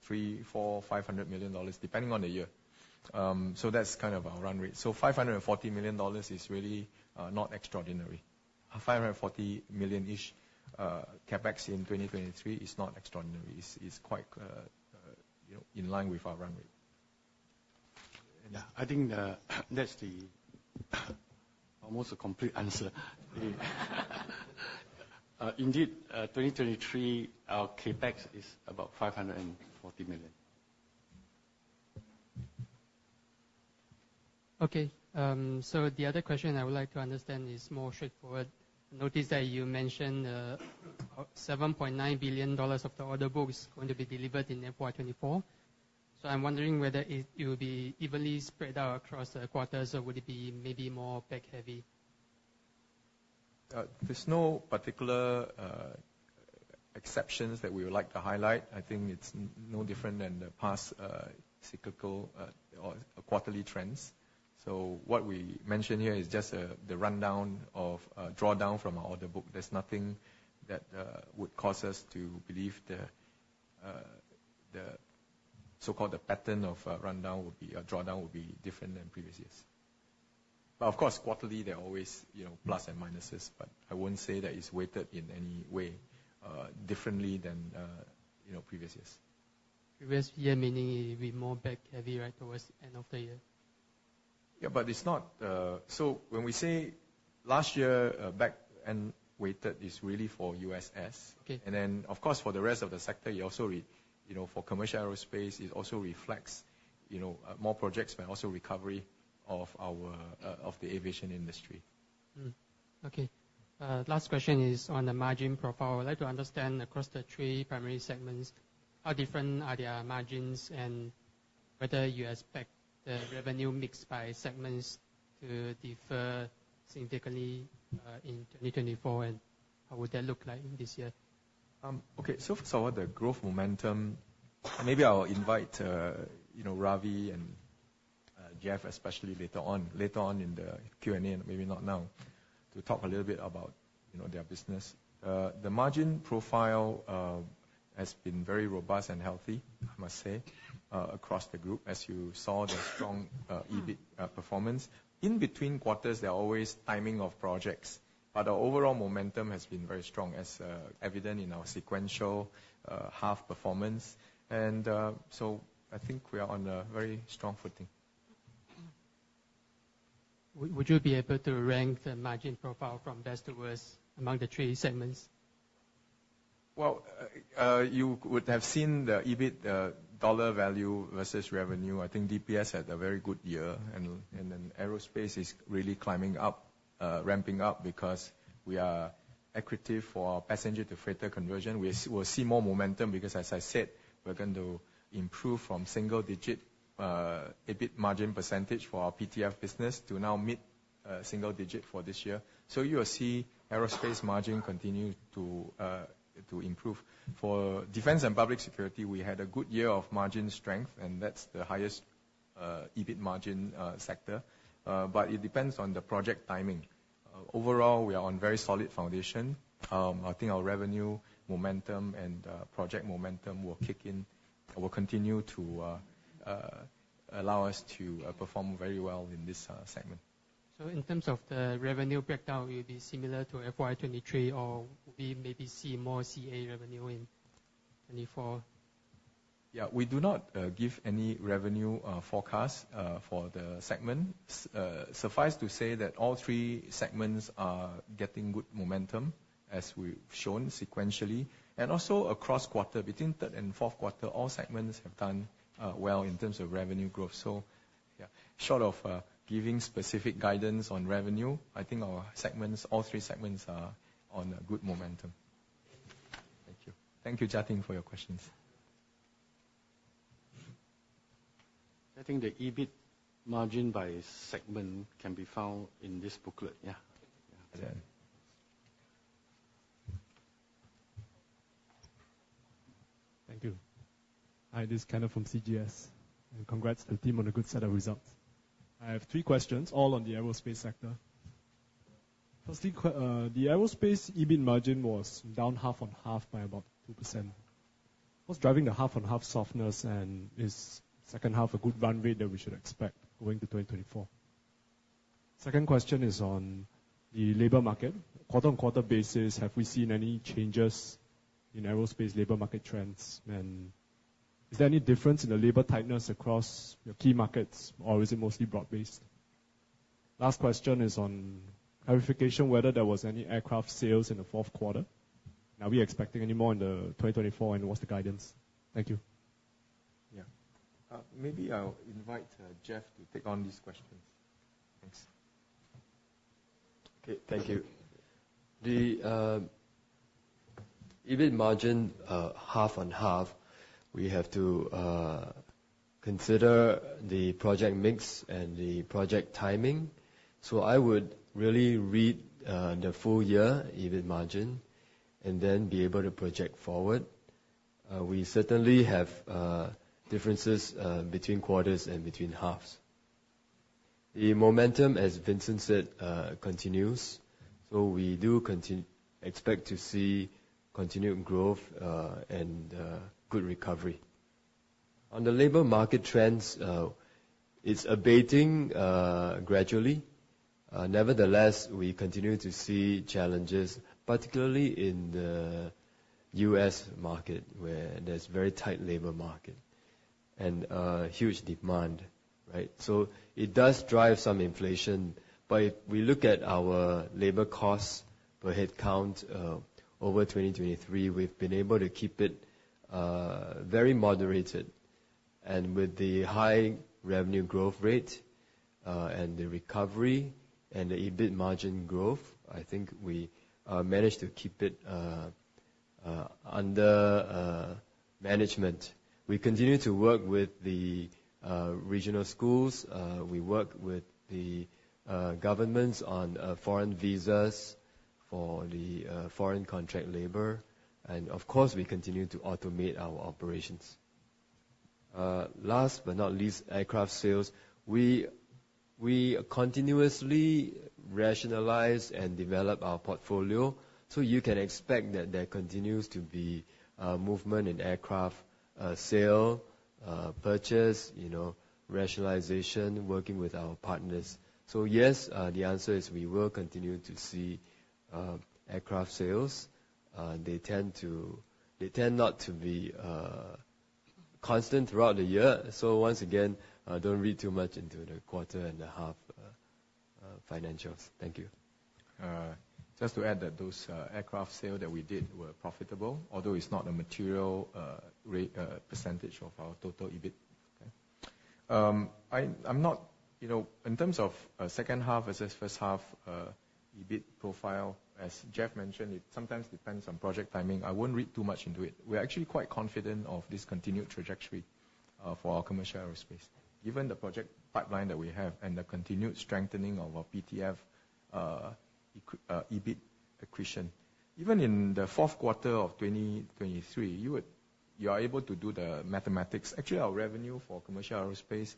C: million, $400 million, $500 million, depending on the year. So that's kind of our run rate. So $540 million is really not extraordinary. $540 million-ish CAPEX in 2023 is not extraordinary. It's quite in line with our run rate.
B: Yeah. I think that's almost a complete answer. Indeed, 2023, our CAPEX is about 540 million.
E: Okay. So the other question I would like to understand is more straightforward. I noticed that you mentioned $7.9 billion of the order book is going to be delivered in FY 2024. So I'm wondering whether it will be evenly spread out across the quarters, or would it be maybe more back-heavy?
B: There's no particular exceptions that we would like to highlight. I think it's no different than the past cyclical or quarterly trends. So what we mention here is just the rundown or drawdown from our order book. There's nothing that would cause us to believe the so-called pattern of rundown or drawdown would be different than previous years. But of course, quarterly, there are always plus and minuses, but I won't say that it's weighted in any way differently than previous years.
E: Previous year, meaning it will be more back-heavy, right, towards the end of the year?
B: Yeah, but it's not so. When we say last year, back-end weighted is really for USS. And then, of course, for the rest of the sector, for commercial aerospace, it also reflects more projects, but also recovery of the aviation industry.
E: Okay. Last question is on the margin profile. I would like to understand across the three primary segments, how different are their margins and whether you expect the revenue mix by segments to differ significantly in 2024, and how would that look like this year?
B: Okay. So first of all, the growth momentum, maybe I'll invite Ravi and Jeff, especially, later on in the Q&A, maybe not now, to talk a little bit about their business. The margin profile has been very robust and healthy, I must say, across the group, as you saw the strong EBIT performance. In between quarters, there are always timing of projects, but our overall momentum has been very strong, as evident in our sequential half performance. And so I think we are on a very strong footing.
D: Would you be able to rank the margin profile from best to worst among the three segments?
B: Well, you would have seen the EBIT, the dollar value versus revenue. I think DBS had a very good year, and then aerospace is really climbing up, ramping up because we are active for passenger-to-freighter conversion. We'll see more momentum because, as I said, we're going to improve from single-digit EBIT margin percentage for our PTF business to now mid-single-digit for this year. So you will see aerospace margin continue to improve. For defense and public security, we had a good year of margin strength, and that's the highest EBIT margin sector. But it depends on the project timing. Overall, we are on very solid foundation. I think our revenue momentum and project momentum will kick in, will continue to allow us to perform very well in this segment.
D: In terms of the revenue breakdown, will it be similar to FY 2023, or will we maybe see more CA revenue in 2024?
B: Yeah. We do not give any revenue forecast for the segment. Suffice to say that all three segments are getting good momentum, as we've shown sequentially. And also across quarter, between third and fourth quarter, all segments have done well in terms of revenue growth. So short of giving specific guidance on revenue, I think all three segments are on good momentum. Thank you. Thank you, Jatin, for your questions.
C: I think the EBIT margin by segment can be found in this booklet. Yeah.
F: Thank you. Hi, this is Kenneth from CGS. Congrats to the team on a good set of results. I have three questions, all on the aerospace sector. Firstly, the aerospace EBIT margin was down half-on-half by about 2%. What's driving the half-on-half softness, and is second half a good run rate that we should expect going to 2024? Second question is on the labor market. On a quarter-on-quarter basis, have we seen any changes in aerospace labor market trends? And is there any difference in the labor tightness across your key markets, or is it mostly broad-based? Last question is on clarification whether there was any aircraft sales in the fourth quarter. Are we expecting any more in 2024, and what's the guidance? Thank you. Yeah.
C: Maybe I'll invite Jeff to take on these questions. Thanks.
F: Okay. Thank you.
G: The EBIT margin half-on-half, we have to consider the project mix and the project timing. So I would really read the full year EBIT margin and then be able to project forward. We certainly have differences between quarters and between halves. The momentum, as Vincent said, continues. So we do expect to see continued growth and good recovery. On the labor market trends, it's abating gradually. Nevertheless, we continue to see challenges, particularly in the U.S. market, where there's a very tight labor market and huge demand, right? So it does drive some inflation. But if we look at our labor cost per headcount over 2023, we've been able to keep it very moderated. And with the high revenue growth rate and the recovery and the EBIT margin growth, I think we managed to keep it under management. We continue to work with the regional schools. We work with the governments on foreign visas for the foreign contract labor. Of course, we continue to automate our operations. Last but not least, aircraft sales. We continuously rationalize and develop our portfolio. So you can expect that there continues to be movement in aircraft sale, purchase, rationalization, working with our partners. So yes, the answer is we will continue to see aircraft sales. They tend not to be constant throughout the year. So once again, don't read too much into the quarter-and-a-half financials. Thank you.
B: Just to add that those aircraft sales that we did were profitable, although it's not a material percentage of our total EBIT. Okay? In terms of second half versus first half EBIT profile, as Jeff mentioned, it sometimes depends on project timing. I won't read too much into it. We're actually quite confident of this continued trajectory for our Commercial Aerospace, given the project pipeline that we have and the continued strengthening of our PTF EBIT accretion. Even in the fourth quarter of 2023, you are able to do the mathematics. Actually, our revenue for Commercial Aerospace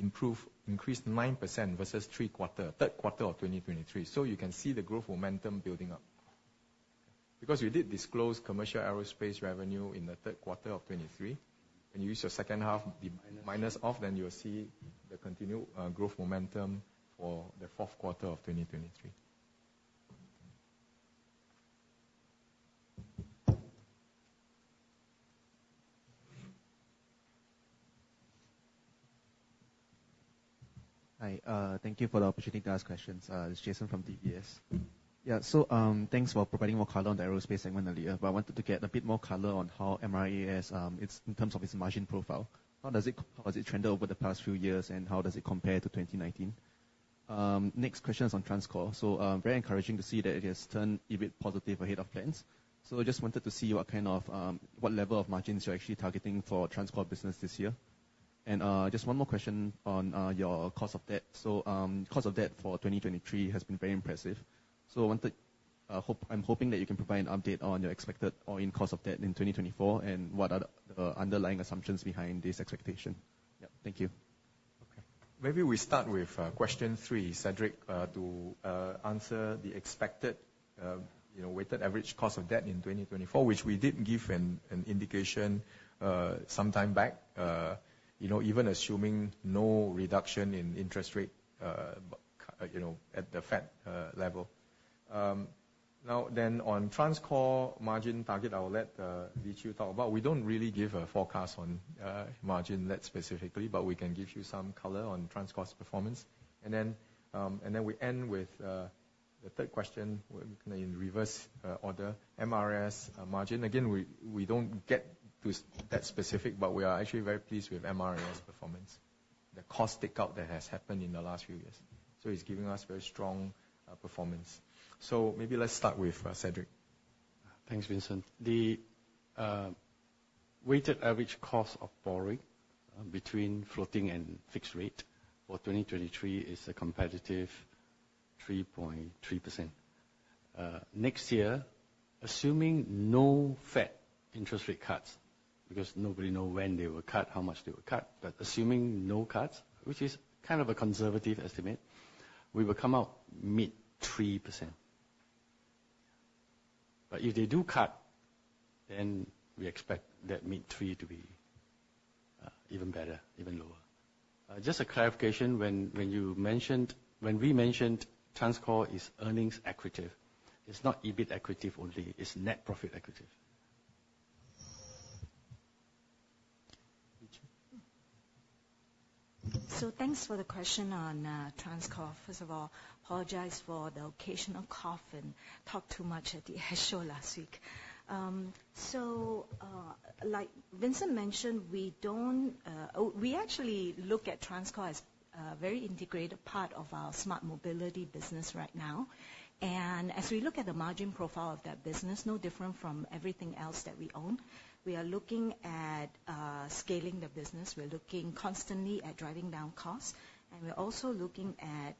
B: increased 9% versus third quarter of 2023. So you can see the growth momentum building up because we did disclose Commercial Aerospace revenue in the third quarter of 2023. When you use your second half minus off, then you'll see the continued growth momentum for the fourth quarter of 2023.
H: Hi. Thank you for the opportunity to ask questions. This is Jason from DPS. Yeah. So thanks for providing more color on the aerospace segment earlier, but I wanted to get a bit more color on how MRAS, in terms of its margin profile, how has it trended over the past few years, and how does it compare to 2019? Next question is on TransCore. So very encouraging to see that it has turned EBIT positive ahead of plans. So I just wanted to see what level of margins you're actually targeting for TransCore business this year. And just one more question on your cost of debt. So cost of debt for 2023 has been very impressive. So I'm hoping that you can provide an update on your expected all-in cost of debt in 2024 and what are the underlying assumptions behind this expectation. Yeah. Thank you.
C: Okay. Maybe we start with question three, Cedric, to answer the expected weighted average cost of debt in 2024, which we did give an indication some time back, even assuming no reduction in interest rate at the Fed level. Now then, on TransCore margin target, I'll let Lee Chew talk about. We don't really give a forecast on margin net specifically, but we can give you some color on TransCore's performance. And then we end with the third question in reverse order, MRAS margin. Again, we don't get to that specific, but we are actually very pleased with MRAS performance, the cost takeout that has happened in the last few years. So it's giving us very strong performance. So maybe let's start with Cedric.
B: Thanks, Vincent. The weighted average cost of borrowing between floating and fixed rate for 2023 is a competitive 3.3%. Next year, assuming no Fed interest rate cuts because nobody knows when they will cut, how much they will cut, but assuming no cuts, which is kind of a conservative estimate, we will come out mid-3%. But if they do cut, then we expect that mid-3% to be even better, even lower. Just a clarification, when we mentioned TransCore is earnings equivalent, it's not EBIT equivalent only. It's net profit equivalent.
I: So thanks for the question on TransCore. First of all, apologize for the occasional cough and talk too much at the air show last week. So like Vincent mentioned, we actually look at TransCore as a very integrated part of our smart mobility business right now. And as we look at the margin profile of that business, no different from everything else that we own, we are looking at scaling the business. We're looking constantly at driving down costs. And we're also looking at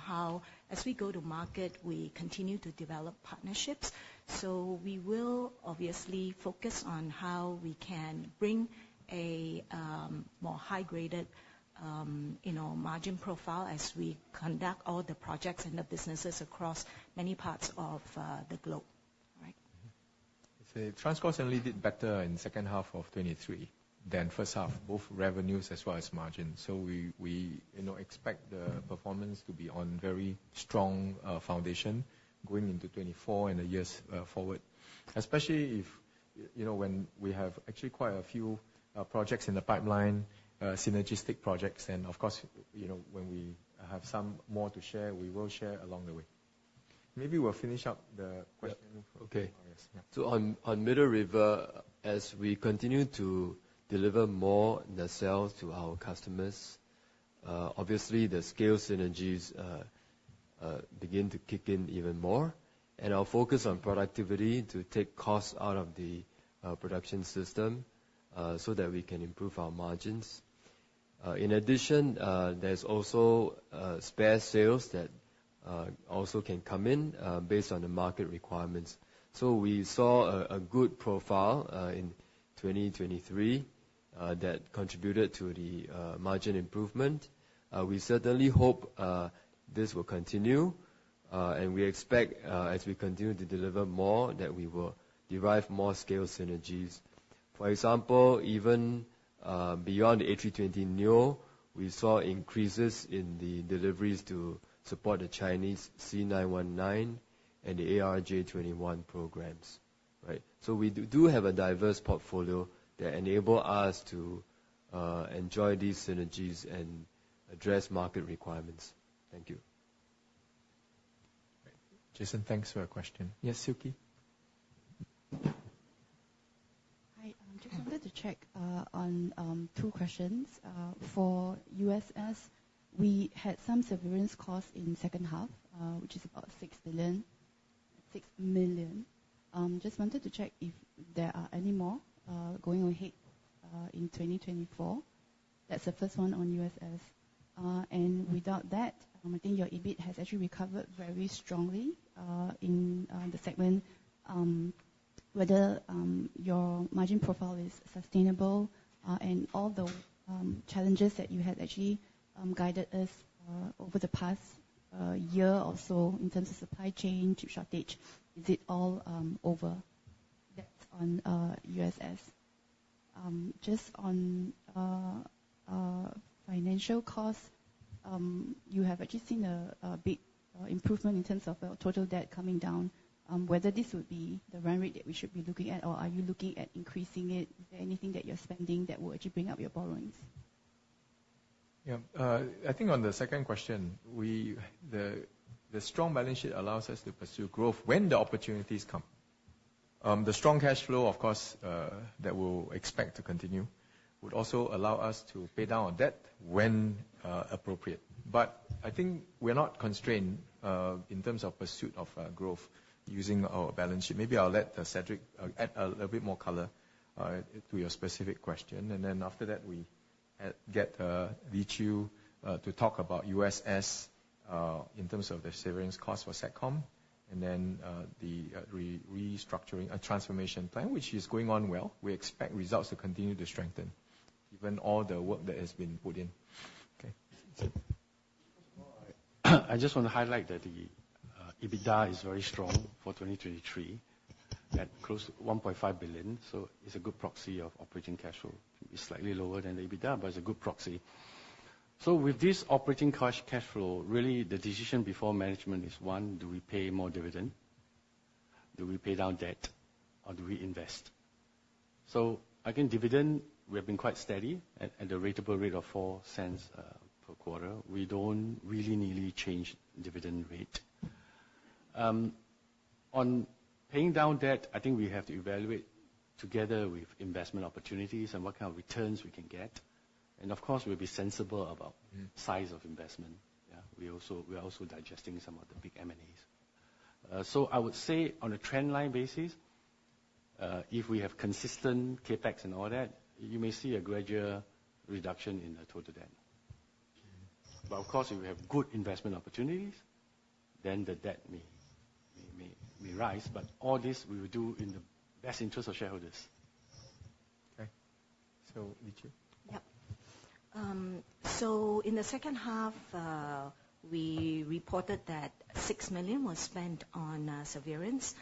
I: how, as we go to market, we continue to develop partnerships. So we will obviously focus on how we can bring a more high-graded margin profile as we conduct all the projects and the businesses across many parts of the globe. All right?
B: TransCore certainly did better in second half of 2023 than first half, both revenues as well as margins. So we expect the performance to be on very strong foundation going into 2024 and the years forward, especially when we have actually quite a few projects in the pipeline, synergistic projects. And of course, when we have some more to share, we will share along the way. Maybe we'll finish up the question from MRAS.
G: Okay. So on Middle River, as we continue to deliver more in the sales to our customers, obviously, the scale synergies begin to kick in even more. And our focus on productivity is to take costs out of the production system so that we can improve our margins. In addition, there's also spare sales that also can come in based on the market requirements. So we saw a good profile in 2023 that contributed to the margin improvement. We certainly hope this will continue. And we expect, as we continue to deliver more, that we will derive more scale synergies. For example, even beyond the A320neo, we saw increases in the deliveries to support the Chinese C919 and the ARJ21 programs, right? So we do have a diverse portfolio that enables us to enjoy these synergies and address market requirements. Thank you.
C: Jason, thanks for your question. Yes, Silky.
J: Hi. Just wanted to check on two questions. For USS, we had some surveillance costs in second half, which is about 6 million. Just wanted to check if there are any more going ahead in 2024. That's the first one on USS. And without that, I think your EBIT has actually recovered very strongly in the segment, whether your margin profile is sustainable. And all the challenges that you had actually guided us over the past year or so in terms of supply chain, chip shortage, is it all over? That's on USS. Just on financial costs, you have actually seen a big improvement in terms of total debt coming down. Whether this would be the run rate that we should be looking at, or are you looking at increasing it? Is there anything that you're spending that will actually bring up your borrowings?
C: Yeah. I think on the second question, the strong balance sheet allows us to pursue growth when the opportunities come. The strong cash flow, of course, that we'll expect to continue would also allow us to pay down our debt when appropriate. But I think we're not constrained in terms of pursuit of growth using our balance sheet. Maybe I'll let Cedric add a little bit more color to your specific question. And then after that, we get Lee Chew to talk about USS in terms of the surveillance costs for Satcom and then the transformation plan, which is going on well. We expect results to continue to strengthen, given all the work that has been put in. Okay?
B: First of all, I just want to highlight that the EBITDA is very strong for 2023 at close to 1.5 billion. So it's a good proxy of operating cash flow. It's slightly lower than the EBITDA, but it's a good proxy. So with this operating cash flow, really, the decision before management is, one, do we pay more dividend? Do we pay down debt? Or do we invest? So again, dividend, we have been quite steady at a ratable rate of 0.04 per quarter. We don't really nearly change dividend rate. On paying down debt, I think we have to evaluate together with investment opportunities and what kind of returns we can get. And of course, we'll be sensible about size of investment. Yeah? We are also digesting some of the big M&As. I would say, on a trendline basis, if we have consistent CAPEX and all that, you may see a gradual reduction in the total debt. Of course, if we have good investment opportunities, then the debt may rise. All this, we will do in the best interest of shareholders.
C: Okay. So Lee Chew?
I: Yep. So in the second half, we reported that 6 million was spent on surveillance.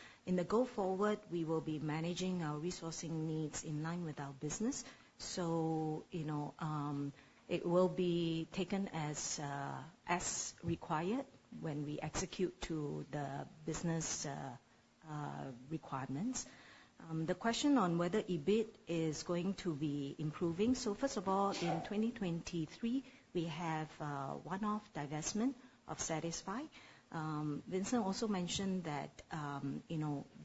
I: Going forward, we will be managing our resourcing needs in line with our business. So it will be taken as required when we execute to the business requirements. The question on whether EBIT is going to be improving. So first of all, in 2023, we have one-off divestment of Satixfy. Vincent also mentioned that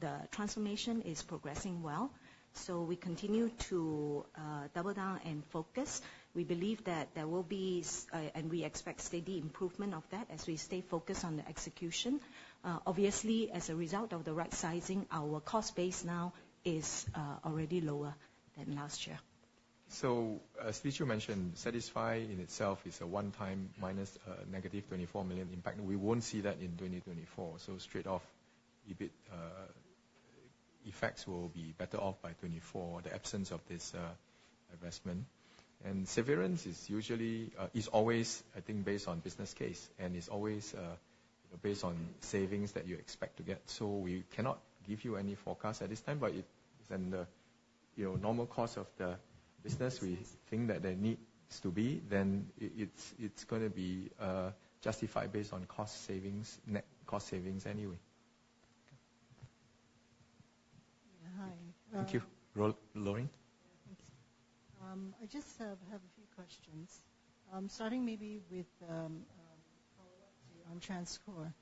I: the transformation is progressing well. So we continue to double down and focus. We believe that there will be and we expect steady improvement of that as we stay focused on the execution. Obviously, as a result of the right-sizing, our cost base now is already lower than last year.
G: So as Lee Chew mentioned, Satisfy in itself is a one-time minus a negative 24 million impact. We won't see that in 2024. So straight-off, EBIT effects will be better off by 2024, the absence of this investment. And surveillance is always, I think, based on business case, and it's always based on savings that you expect to get. So we cannot give you any forecast at this time. But it's in the normal cost of the business we think that there needs to be, then it's going to be justified based on net cost savings anyway.
C: Yeah. Hi. Thank you. Lorraine?
K: Yeah. Thanks. I just have a few questions, starting maybe with a follow-up on TransCore.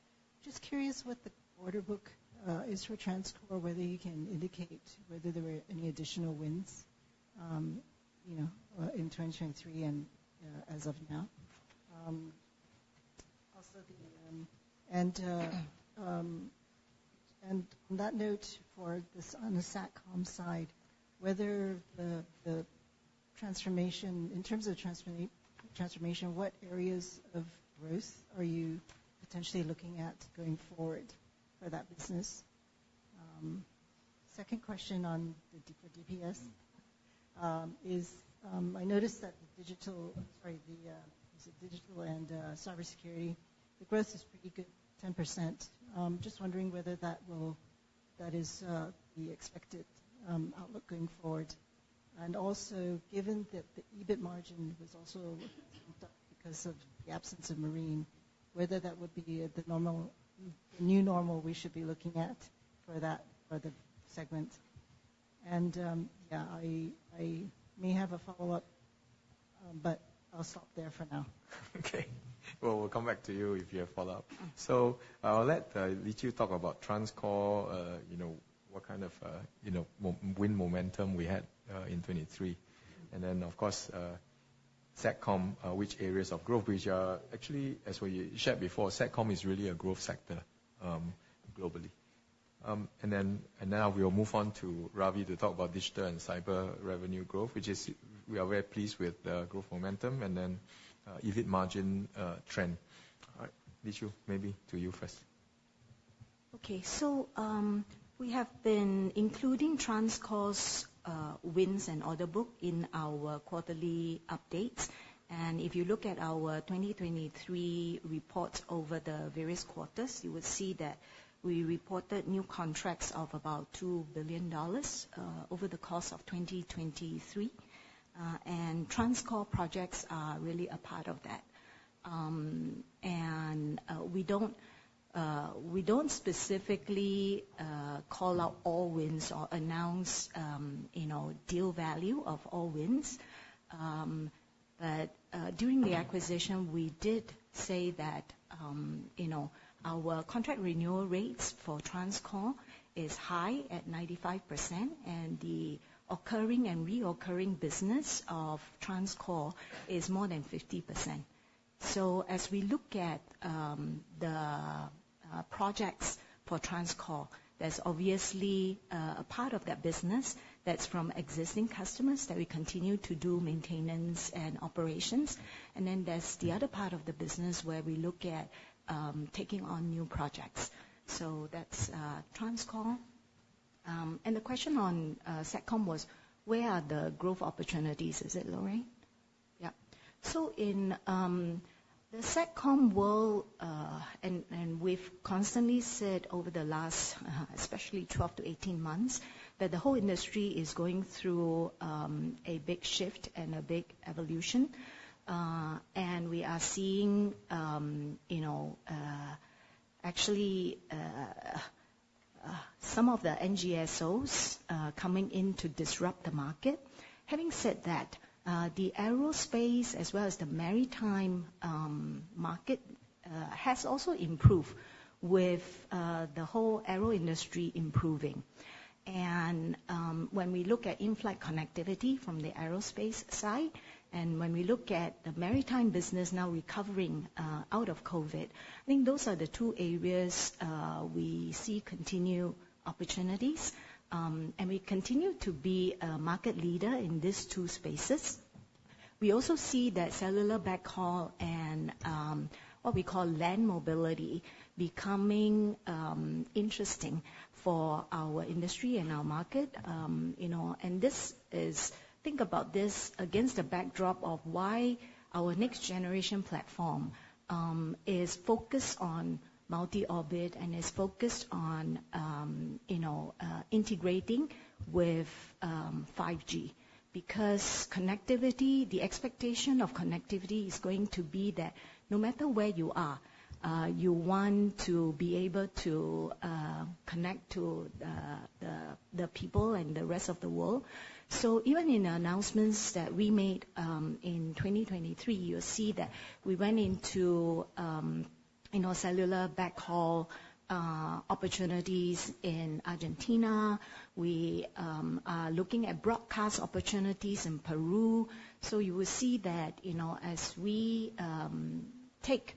K: Just curious what the order book is for TransCore, whether you can indicate whether there were any additional wins in 2023 and as of now. Also, and on that note, on the Satcom side, whether the transformation in terms of transformation, what areas of growth are you potentially looking at going forward for that business? Second question for DBS is, I noticed that the digital sorry, is it digital and cybersecurity? The growth is pretty good, 10%. Just wondering whether that is the expected outlook going forward. And also, given that the EBIT margin was also pumped up because of the absence of Marine, whether that would be the new normal we should be looking at for the segment. And yeah, I may have a follow-up, but I'll stop there for now.
C: Okay. Well, we'll come back to you if you have follow-up. So I'll let Lee Chew talk about TransCore, what kind of win momentum we had in 2023. And then, of course, Satcom, which areas of growth which are actually, as we shared before, Satcom is really a growth sector globally. And then we'll move on to Ravi to talk about digital and cyber revenue growth, which is we are very pleased with the growth momentum and then EBIT margin trend. All right. Lee Chew, maybe to you first. Okay. We have been including TransCore's wins and order book in our quarterly updates. If you look at our 2023 reports over the various quarters, you will see that we reported new contracts of about $2 billion over the course of 2023. TransCore projects are really a part of that. We don't specifically call out all wins or announce deal value of all wins. During the acquisition, we did say that our contract renewal rates for TransCore is high at 95%, and the recurring business of TransCore is more than 50%. As we look at the projects for TransCore, there's obviously a part of that business that's from existing customers that we continue to do maintenance and operations. Then there's the other part of the business where we look at taking on new projects. That's TransCore. And the question on Satcom was, where are the growth opportunities? Is it Lauren? Yep. So in the Satcom world, and we've constantly said over the last, especially, 12-18 months, that the whole industry is going through a big shift and a big evolution. And we are seeing, actually, some of the NGSOs coming in to disrupt the market. Having said that, the aerospace as well as the maritime market has also improved with the whole aero industry improving. And when we look at in-flight connectivity from the aerospace side and when we look at the maritime business now recovering out of COVID, I think those are the two areas we see continue opportunities. And we continue to be a market leader in these two spaces. We also see that cellular backhaul and what we call land mobility becoming interesting for our industry and our market. Think about this against the backdrop of why our next-generation platform is focused on multi-orbit and is focused on integrating with 5G because the expectation of connectivity is going to be that no matter where you are, you want to be able to connect to the people and the rest of the world. Even in announcements that we made in 2023, you'll see that we went into cellular backhaul opportunities in Argentina. We are looking at broadcast opportunities in Peru. You will see that as we take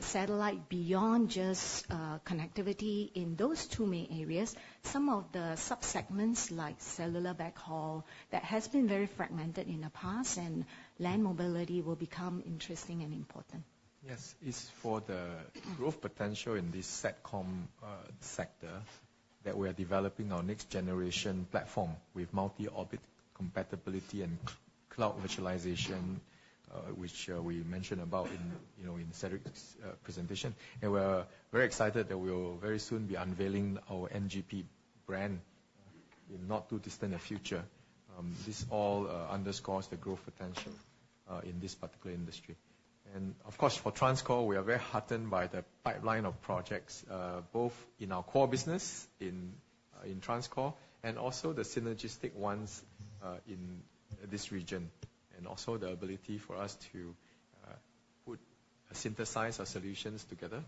C: satellite beyond just connectivity in those two main areas, some of the subsegments like cellular backhaul that has been very fragmented in the past and land mobility will become interesting and important.
G: Yes. It's for the growth potential in this Satcom sector that we are developing our next-generation platform with multi-orbit compatibility and cloud virtualization, which we mentioned about in Cedric's presentation. We're very excited that we'll very soon be unveiling our NGP brand in not too distant a future. This all underscores the growth potential in this particular industry. Of course, for TransCore, we are very heartened by the pipeline of projects, both in our core business in TransCore and also the synergistic ones in this region and also the ability for us to synthesize our solutions together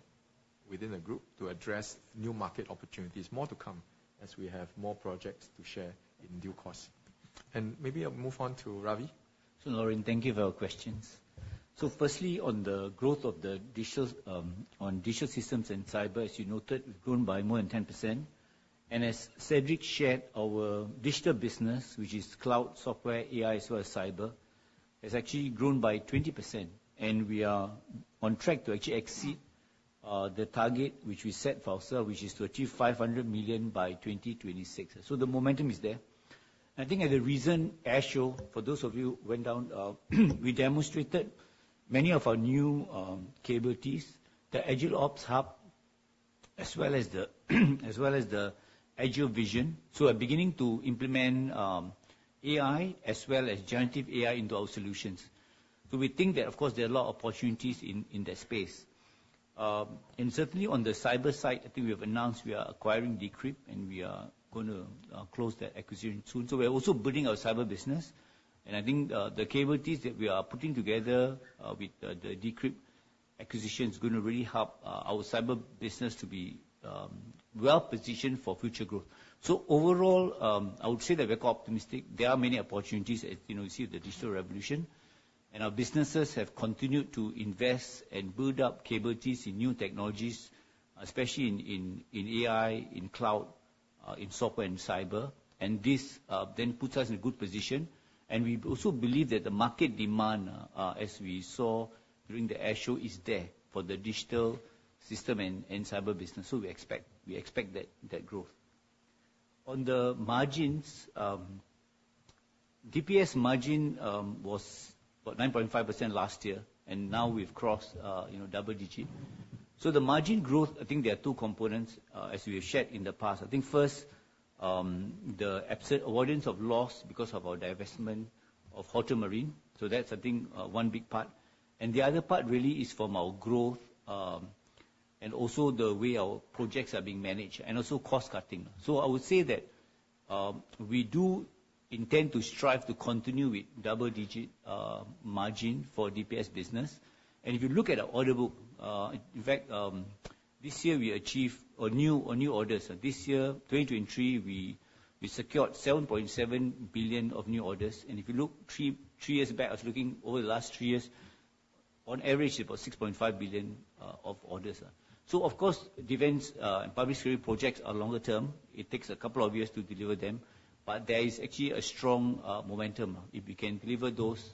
G: within a group to address new market opportunities, more to come as we have more projects to share in due course. Maybe I'll move on to Ravi.
L: So Lorraine, thank you for your questions. So firstly, on the growth of digital systems and cyber, as you noted, we've grown by more than 10%. And as Cedric shared, our digital business, which is cloud, software, AI, as well as cyber, has actually grown by 20%. And we are on track to actually exceed the target which we set for ourselves, which is to achieve 500 million by 2026. So the momentum is there. And I think at the recent air show, for those of you who went down, we demonstrated many of our new capabilities, the AGIL Ops Hub as well as the AGIL Vision. So we're beginning to implement AI as well as generative AI into our solutions. So we think that, of course, there are a lot of opportunities in that space. Certainly, on the cyber side, I think we have announced we are acquiring D'Crypt, and we are going to close that acquisition soon. So we're also building our cyber business. I think the capabilities that we are putting together with the D'Crypt acquisition is going to really help our cyber business to be well-positioned for future growth. So overall, I would say that we're quite optimistic. There are many opportunities as you see with the digital revolution. Our businesses have continued to invest and build up capabilities in new technologies, especially in AI, in cloud, in software, and cyber. This then puts us in a good position. We also believe that the market demand, as we saw during the air show, is there for the digital system and cyber business. So we expect that growth. On the margins, DBS margin was about 9.5% last year, and now we've crossed double-digit. So the margin growth, I think there are two components as we have shared in the past. I think first, the avoidance of loss because of our divestment of Halter Marine. So that's, I think, one big part. And the other part really is from our growth and also the way our projects are being managed and also cost-cutting. So I would say that we do intend to strive to continue with double-digit margin for DBS business. And if you look at our order book, in fact, this year, we achieved new orders. This year, 2023, we secured 7.7 billion of new orders. And if you look three years back, I was looking over the last three years, on average, it's about 6.5 billion of orders. So of course, defense and public security projects are longer term. It takes a couple of years to deliver them. But there is actually a strong momentum. If we can deliver those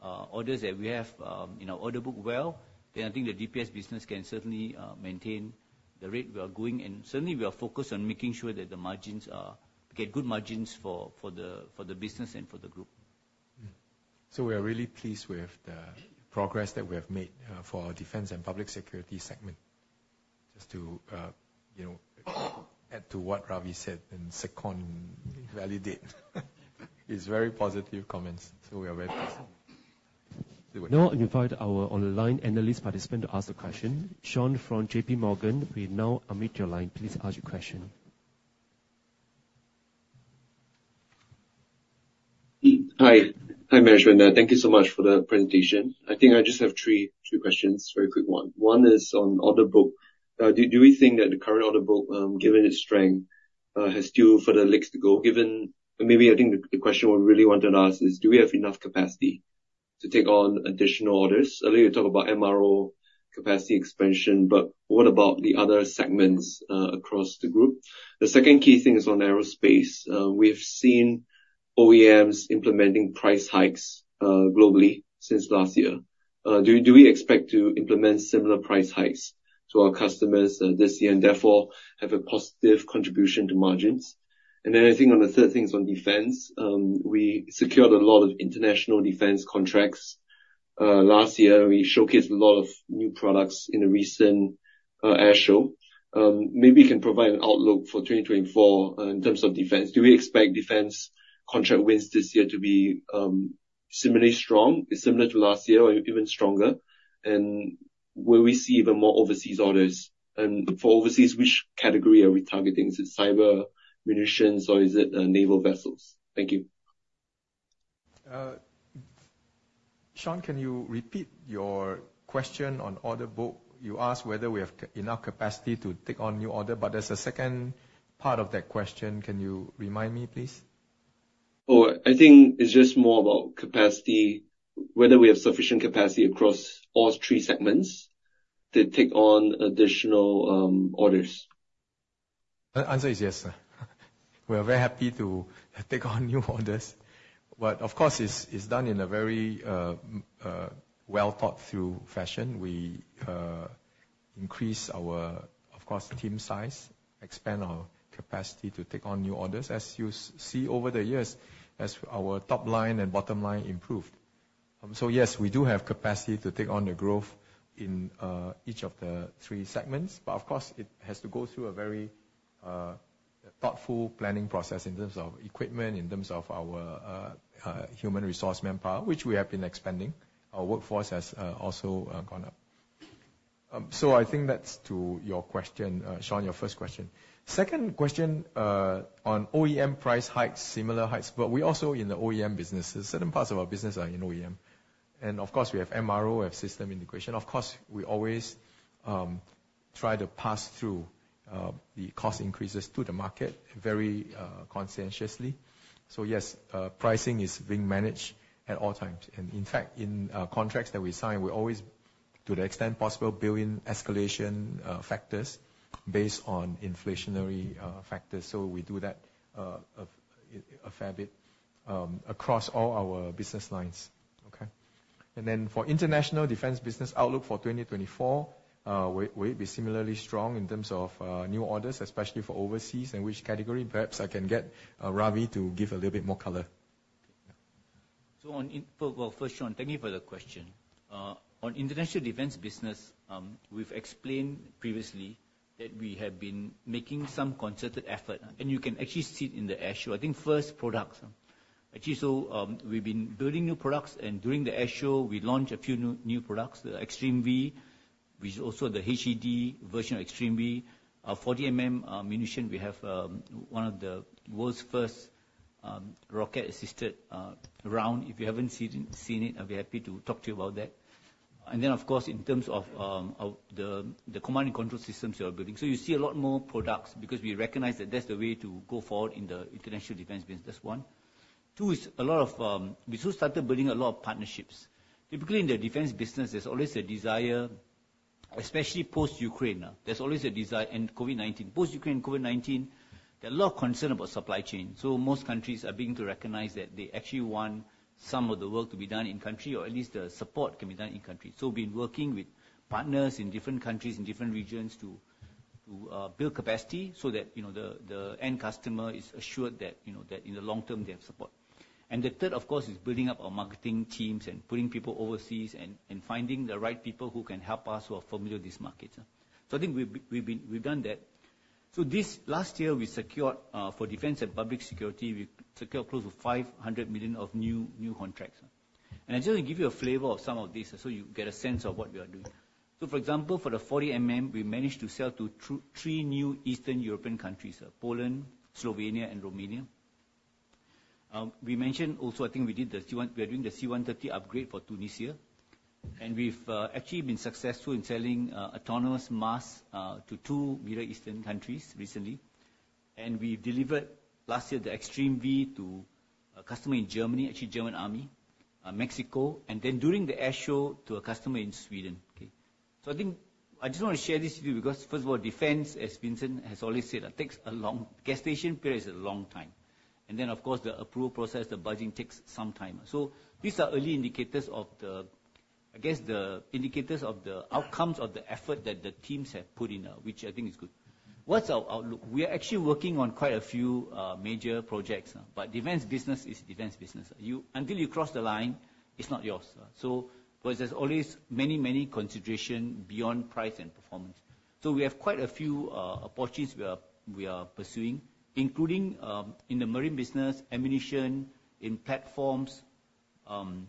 L: orders that we have in our order book well, then I think the DBS business can certainly maintain the rate we are going. And certainly, we are focused on making sure that we get good margins for the business and for the group.
B: So we are really pleased with the progress that we have made for our defense and public security segment. Just to add to what Ravi said and second-validate, it's very positive comments. So we are very pleased.
A: Now, I invite our online analyst participant to ask a question. Sean from JPMorgan, we now omit your line. Please ask your question.
M: Hi. Hi, Management. Thank you so much for the presentation. I think I just have three questions, very quick one. One is on order book. Do we think that the current order book, given its strength, has still further legs to go? Maybe I think the question we really wanted to ask is, do we have enough capacity to take on additional orders? Earlier, you talked about MRO, capacity expansion, but what about the other segments across the group? The second key thing is on aerospace. We have seen OEMs implementing price hikes globally since last year. Do we expect to implement similar price hikes to our customers this year and therefore have a positive contribution to margins? And then I think on the third thing is on defense. We secured a lot of international defense contracts last year. We showcased a lot of new products in a recent air show. Maybe you can provide an outlook for 2024 in terms of defense. Do we expect defense contract wins this year to be similarly strong, similar to last year, or even stronger? And will we see even more overseas orders? And for overseas, which category are we targeting? Is it cyber munitions, or is it naval vessels? Thank you.
C: Sean, can you repeat your question on order book? You asked whether we have enough capacity to take on new order, but there's a second part of that question. Can you remind me, please?
J: Oh, I think it's just more about capacity, whether we have sufficient capacity across all three segments to take on additional orders. The answer is yes. We are very happy to take on new orders. But of course, it's done in a very well-thought-through fashion. We increase our, of course, team size, expand our capacity to take on new orders. As you see over the years, as our top line and bottom line improved. So yes, we do have capacity to take on the growth in each of the three segments. But of course, it has to go through a very thoughtful planning process in terms of equipment, in terms of our human resource manpower, which we have been expanding. Our workforce has also gone up. So I think that's to your question, Sean, your first question. Second question on OEM price hikes, similar hikes, but we also in the OEM businesses, certain parts of our business are in OEM. And of course, we have MRO, we have system integration. Of course, we always try to pass through the cost increases to the market very conscientiously. So yes, pricing is being managed at all times. In fact, in contracts that we sign, we always, to the extent possible, bill in escalation factors based on inflationary factors. So we do that a fair bit across all our business lines. Okay? For international defense business outlook for 2024, will it be similarly strong in terms of new orders, especially for overseas, and which category? Perhaps I can get Ravi to give a little bit more color.
L: First, Sean, thank you for the question. On international defense business, we've explained previously that we have been making some concerted effort. You can actually see it in the air show. I think first, products. Actually, we've been building new products. During the air show, we launched a few new products, the ExtremV, which is also the HEV version of ExtremV. 40mm munition, we have one of the world's first rocket-assisted round. If you haven't seen it, I'll be happy to talk to you about that. And then, of course, in terms of the command and control systems you are building. So you see a lot more products because we recognize that that's the way to go forward in the international defense business. That's one. Two is a lot of we've also started building a lot of partnerships. Typically, in the defense business, there's always a desire, especially post-Ukraine. There's always a desire and COVID-19. Post-Ukraine and COVID-19, there's a lot of concern about supply chain. Most countries are beginning to recognize that they actually want some of the work to be done in-country or at least the support can be done in-country. We've been working with partners in different countries, in different regions to build capacity so that the end customer is assured that in the long term, they have support. The third, of course, is building up our marketing teams and putting people overseas and finding the right people who can help us who are familiar with this market. I think we've done that. Last year, we secured for defense and public security, we secured close to 500 million of new contracts. I just want to give you a flavor of some of this so you get a sense of what we are doing. So for example, for the 40 we managed to sell to three new Eastern European countries, Poland, Slovenia, and Romania. We mentioned also, I think, we are doing the C-130 upgrade for Tunisia. And we've actually been successful in selling autonomous mortars to two Middle Eastern countries recently. And we've delivered last year the ExtremV to a customer in Germany, actually German Army, Mexico, and then during the air show to a customer in Sweden. Okay? So I think I just want to share this with you because, first of all, defense, as Vincent has always said, takes a long gestation period, is a long time. And then, of course, the approval process, the budgeting takes some time. So these are early indicators of the, I guess, the indicators of the outcomes of the effort that the teams have put in, which I think is good. What's our outlook? We are actually working on quite a few major projects. But defense business is defense business. Until you cross the line, it's not yours. So there's always many, many considerations beyond price and performance. So we have quite a few opportunities we are pursuing, including in the marine business, ammunition, in platforms, and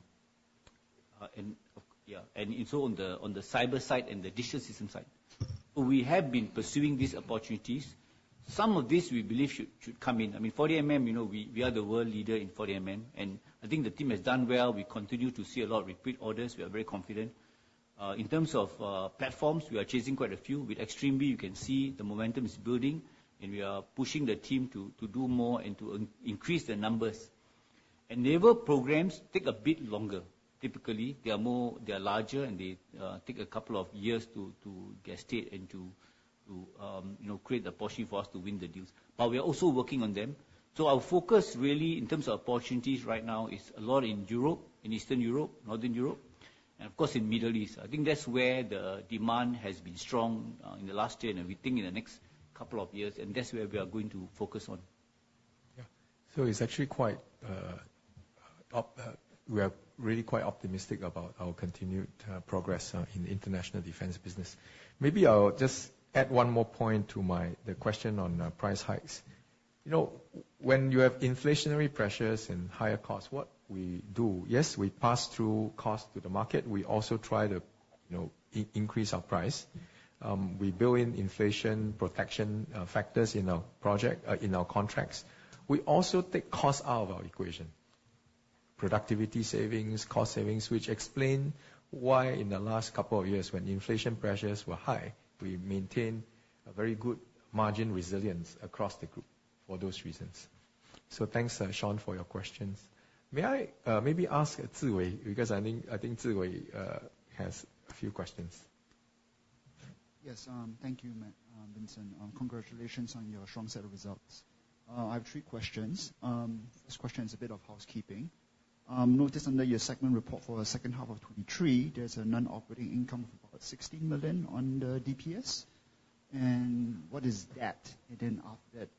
L: so on the cyber side and the digital system side. So we have been pursuing these opportunities. Some of this, we believe, should come in. I mean, 40 we are the world leader in 40. And I think the team has done well. We continue to see a lot of repeat orders. We are very confident. In terms of platforms, we are chasing quite a few. With ExtremV, you can see the momentum is building. We are pushing the team to do more and to increase the numbers. Naval programs take a bit longer. Typically, they are larger and they take a couple of years to get started and to create the opportunity for us to win the deals. But we are also working on them. Our focus really in terms of opportunities right now is a lot in Europe, in Eastern Europe, Northern Europe, and of course, in the Middle East. I think that's where the demand has been strong in the last year and we think in the next couple of years. That's where we are going to focus on.
C: Yeah. So it's actually quite we are really quite optimistic about our continued progress in the international defense business. Maybe I'll just add one more point to the question on price hikes. When you have inflationary pressures and higher costs, what we do, yes, we pass through costs to the market. We also try to increase our price. We build in inflation protection factors in our projects, in our contracts. We also take costs out of our equation, productivity savings, cost savings, which explain why in the last couple of years, when inflation pressures were high, we maintained a very good margin resilience across the group for those reasons. So thanks, Sean, for your questions. May I maybe ask Ziwei because I think Ziwei has a few questions.
N: Yes. Thank you, Vincent. Congratulations on your strong set of results. I have three questions. First question is a bit of housekeeping. Notice under your segment report for the second half of 2023, there's a non-operating income of about 16 million on the DBS. And what is that? And then after that,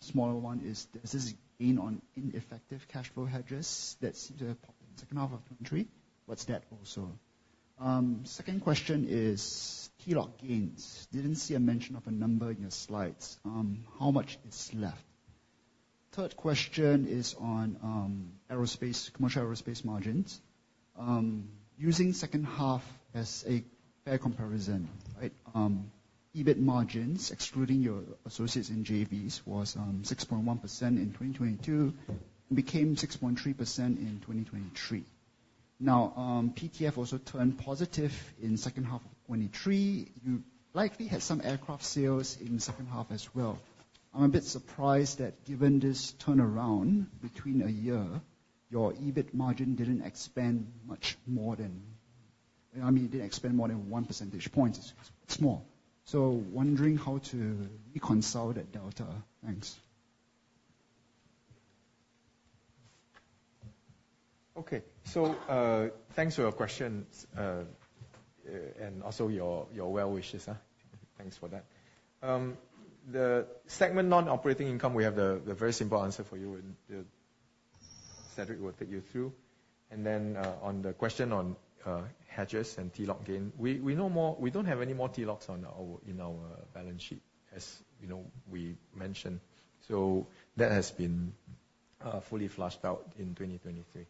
N: smaller one is, is this a gain on ineffective cash flow hedges that seem to have popped in the second half of 2023? What's that also? Second question is capital gains. Didn't see a mention of a number in your slides. How much is left? Third question is on aerospace, commercial aerospace margins. Using second half as a fair comparison, right? EBIT margins, excluding your associates in JVs, was 6.1% in 2022 and became 6.3% in 2023. Now, PTF also turned positive in second half of 2023. You likely had some aircraft sales in second half as well. I'm a bit surprised that, given this turnaround between a year, your EBIT margin didn't expand much more than, I mean, it didn't expand more than 1 percentage point. It's small. So, wondering how to reconcile that delta. Thanks.
C: Okay. So thanks for your questions and also your well wishes. Thanks for that. The segment non-operating income, we have the very simple answer for you. Cedric will take you through. And then on the question on hedges and keylog gain, we know more we don't have any more T-Locks in our balance sheet, as we mentioned. So that has been fully flushed out in 2023.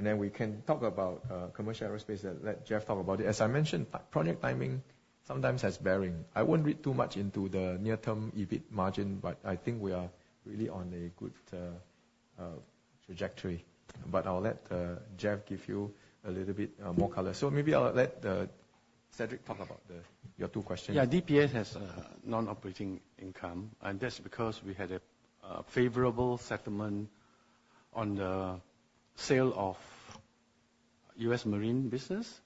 C: And then we can talk about commercial aerospace. Let Jeff talk about it. As I mentioned, project timing sometimes has bearing. I won't read too much into the near-term EBIT margin, but I think we are really on a good trajectory. But I'll let Jeff give you a little bit more color. So maybe I'll let Cedric talk about your two questions.
B: Yeah. DBS has non-operating income. That's because we had a favorable settlement on the sale of U.S. marine business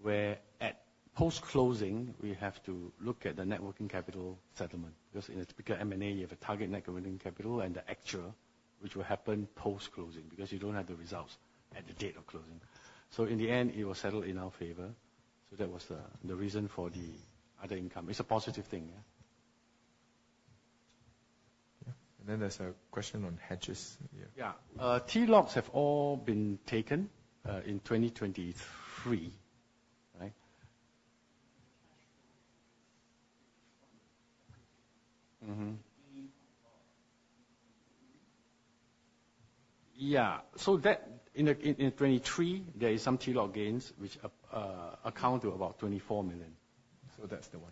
B: where, at post-closing, we have to look at the net working capital settlement because, in a typical M&A, you have a target net working capital and the actual, which will happen post-closing because you don't have the results at the date of closing. In the end, it was settled in our favor. That was the reason for the other income. It's a positive thing. Yeah.
N: And then there's a question on hedges.
C: Yeah. Keylogs have all been taken in 2023, right? Yeah. So in 2023, there is some keylog gains which account to about 24 million.
N: So that's the one.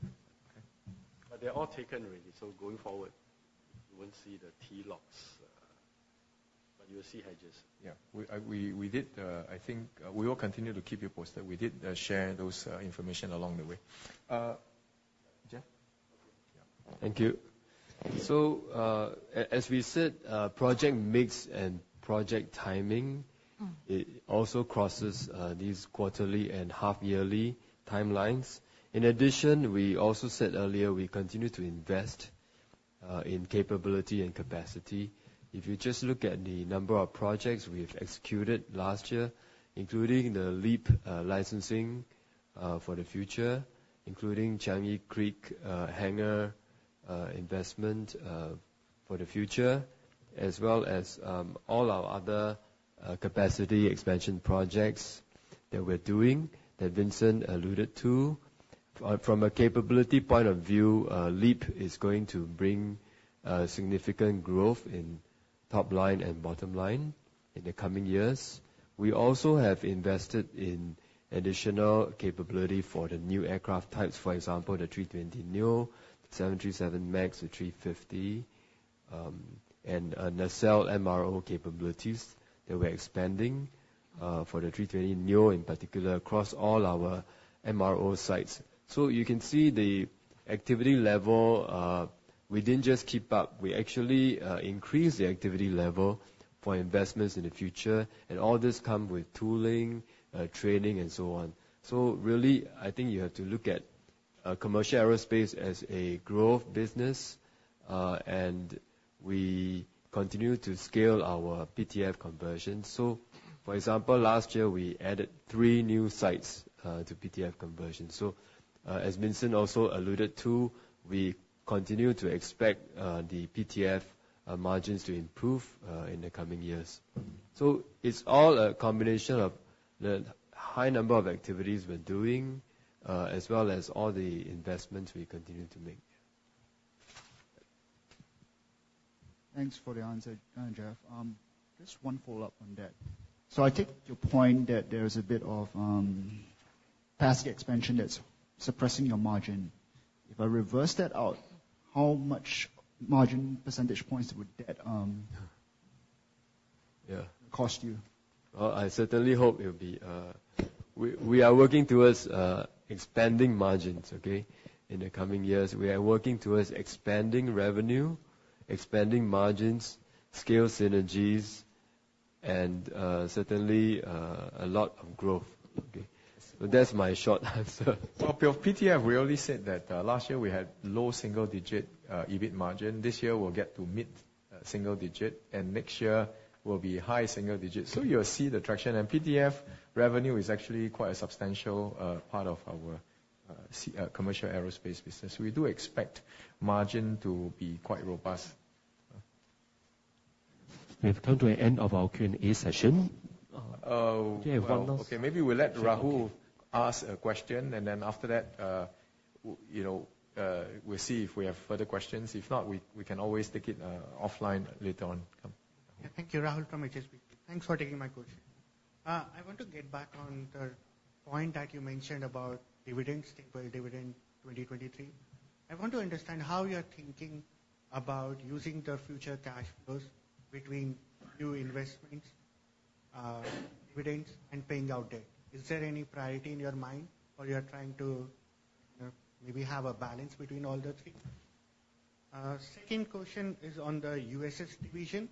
N: Okay.
C: They're all taken already. Going forward, you won't see the keylogs, but you'll see hedges. Yeah. I think we will continue to keep you posted. We did share those information along the way. Jeff?
G: Yeah. Thank you. So as we said, project mix and project timing, it also crosses these quarterly and half-yearly timelines. In addition, we also said earlier we continue to invest in capability and capacity. If you just look at the number of projects we have executed last year, including the LEAP licensing for the future, including Changi Creek Hangar investment for the future, as well as all our other capacity expansion projects that we're doing that Vincent alluded to, from a capability point of view, LEAP is going to bring significant growth in top line and bottom line in the coming years. We also have invested in additional capability for the new aircraft types, for example, the A320neo, the 737 MAX, the A350, and nacelle MRO capabilities that we're expanding for the A320neo in particular across all our MRO sites. So you can see the activity level. We didn't just keep up. We actually increased the activity level for investments in the future. And all this comes with tooling, training, and so on. So really, I think you have to look at commercial aerospace as a growth business. And we continue to scale our PTF conversion. So, for example, last year, we added three new sites to PTF conversion. So, as Vincent also alluded to, we continue to expect the PTF margins to improve in the coming years. It's all a combination of the high number of activities we're doing as well as all the investments we continue to make.
N: Thanks for the answer, Jeff. Just one follow-up on that. So I take your point that there is a bit of capacity expansion that's suppressing your margin. If I reverse that out, how much margin percentage points would that cost you?
G: Well, I certainly hope it'll be. We are working towards expanding margins, okay, in the coming years. We are working towards expanding revenue, expanding margins, scale synergies, and certainly a lot of growth. Okay? That's my short answer.
C: PTF, we already said that last year, we had low single-digit EBIT margin. This year, we'll get to mid-single-digit. Next year, we'll be high single-digit. So you'll see the traction. PTF revenue is actually quite a substantial part of our commercial aerospace business. We do expect margin to be quite robust.
A: We have come to the end of our Q&A session. Do you have one last?
C: Okay. Maybe we'll let Rahul ask a question. And then after that, we'll see if we have further questions. If not, we can always take it offline later on. Come.
O: Yeah. Thank you, Rahul, from HSBC. Thanks for taking my question. I want to get back on the point that you mentioned about dividends, stable dividend 2023. I want to understand how you're thinking about using the future cash flows between new investments, dividends, and paying out debt. Is there any priority in your mind, or you're trying to maybe have a balance between all the three? Second question is on the USS division.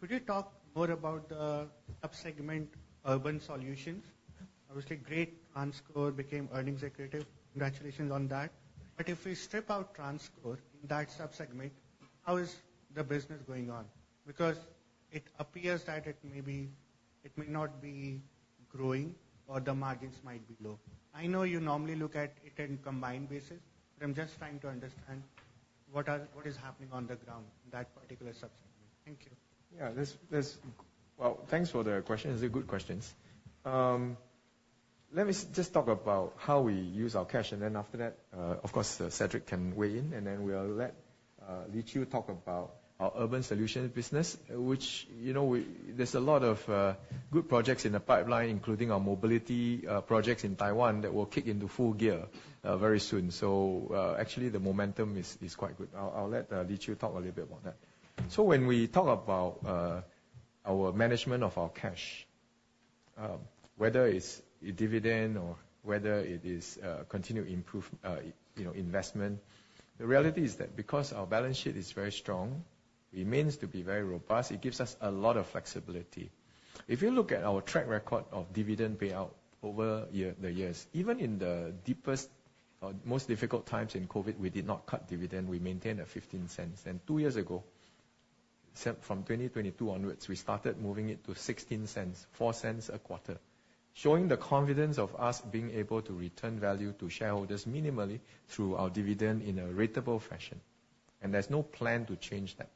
O: Could you talk more about the subsegment urban solutions? Obviously, great. TransCore became earnings accretive. Congratulations on that. But if we strip out TransCore in that subsegment, how is the business going on? Because it appears that it may not be growing or the margins might be low. I know you normally look at it on a combined basis, but I'm just trying to understand what is happening on the ground in that particular subsegment. Thank you.
C: Yeah. Well, thanks for the questions. These are good questions. Let me just talk about how we use our cash. And then after that, of course, Cedric can weigh in. And then we'll let Li Qiu talk about our urban solutions business, which there's a lot of good projects in the pipeline, including our mobility projects in Taiwan that will kick into full gear very soon. So actually, the momentum is quite good. I'll let Li Qiu talk a little bit about that.
P: So when we talk about our management of our cash, whether it's dividend or whether it is continued investment, the reality is that because our balance sheet is very strong, it remains to be very robust. It gives us a lot of flexibility. If you look at our track record of dividend payout over the years, even in the deepest or most difficult times in COVID, we did not cut dividend. We maintained at 0.15. Two years ago, from 2022 onwards, we started moving it to 0.16, 0.04 a quarter, showing the confidence of us being able to return value to shareholders minimally through our dividend in a ratable fashion. There's no plan to change that.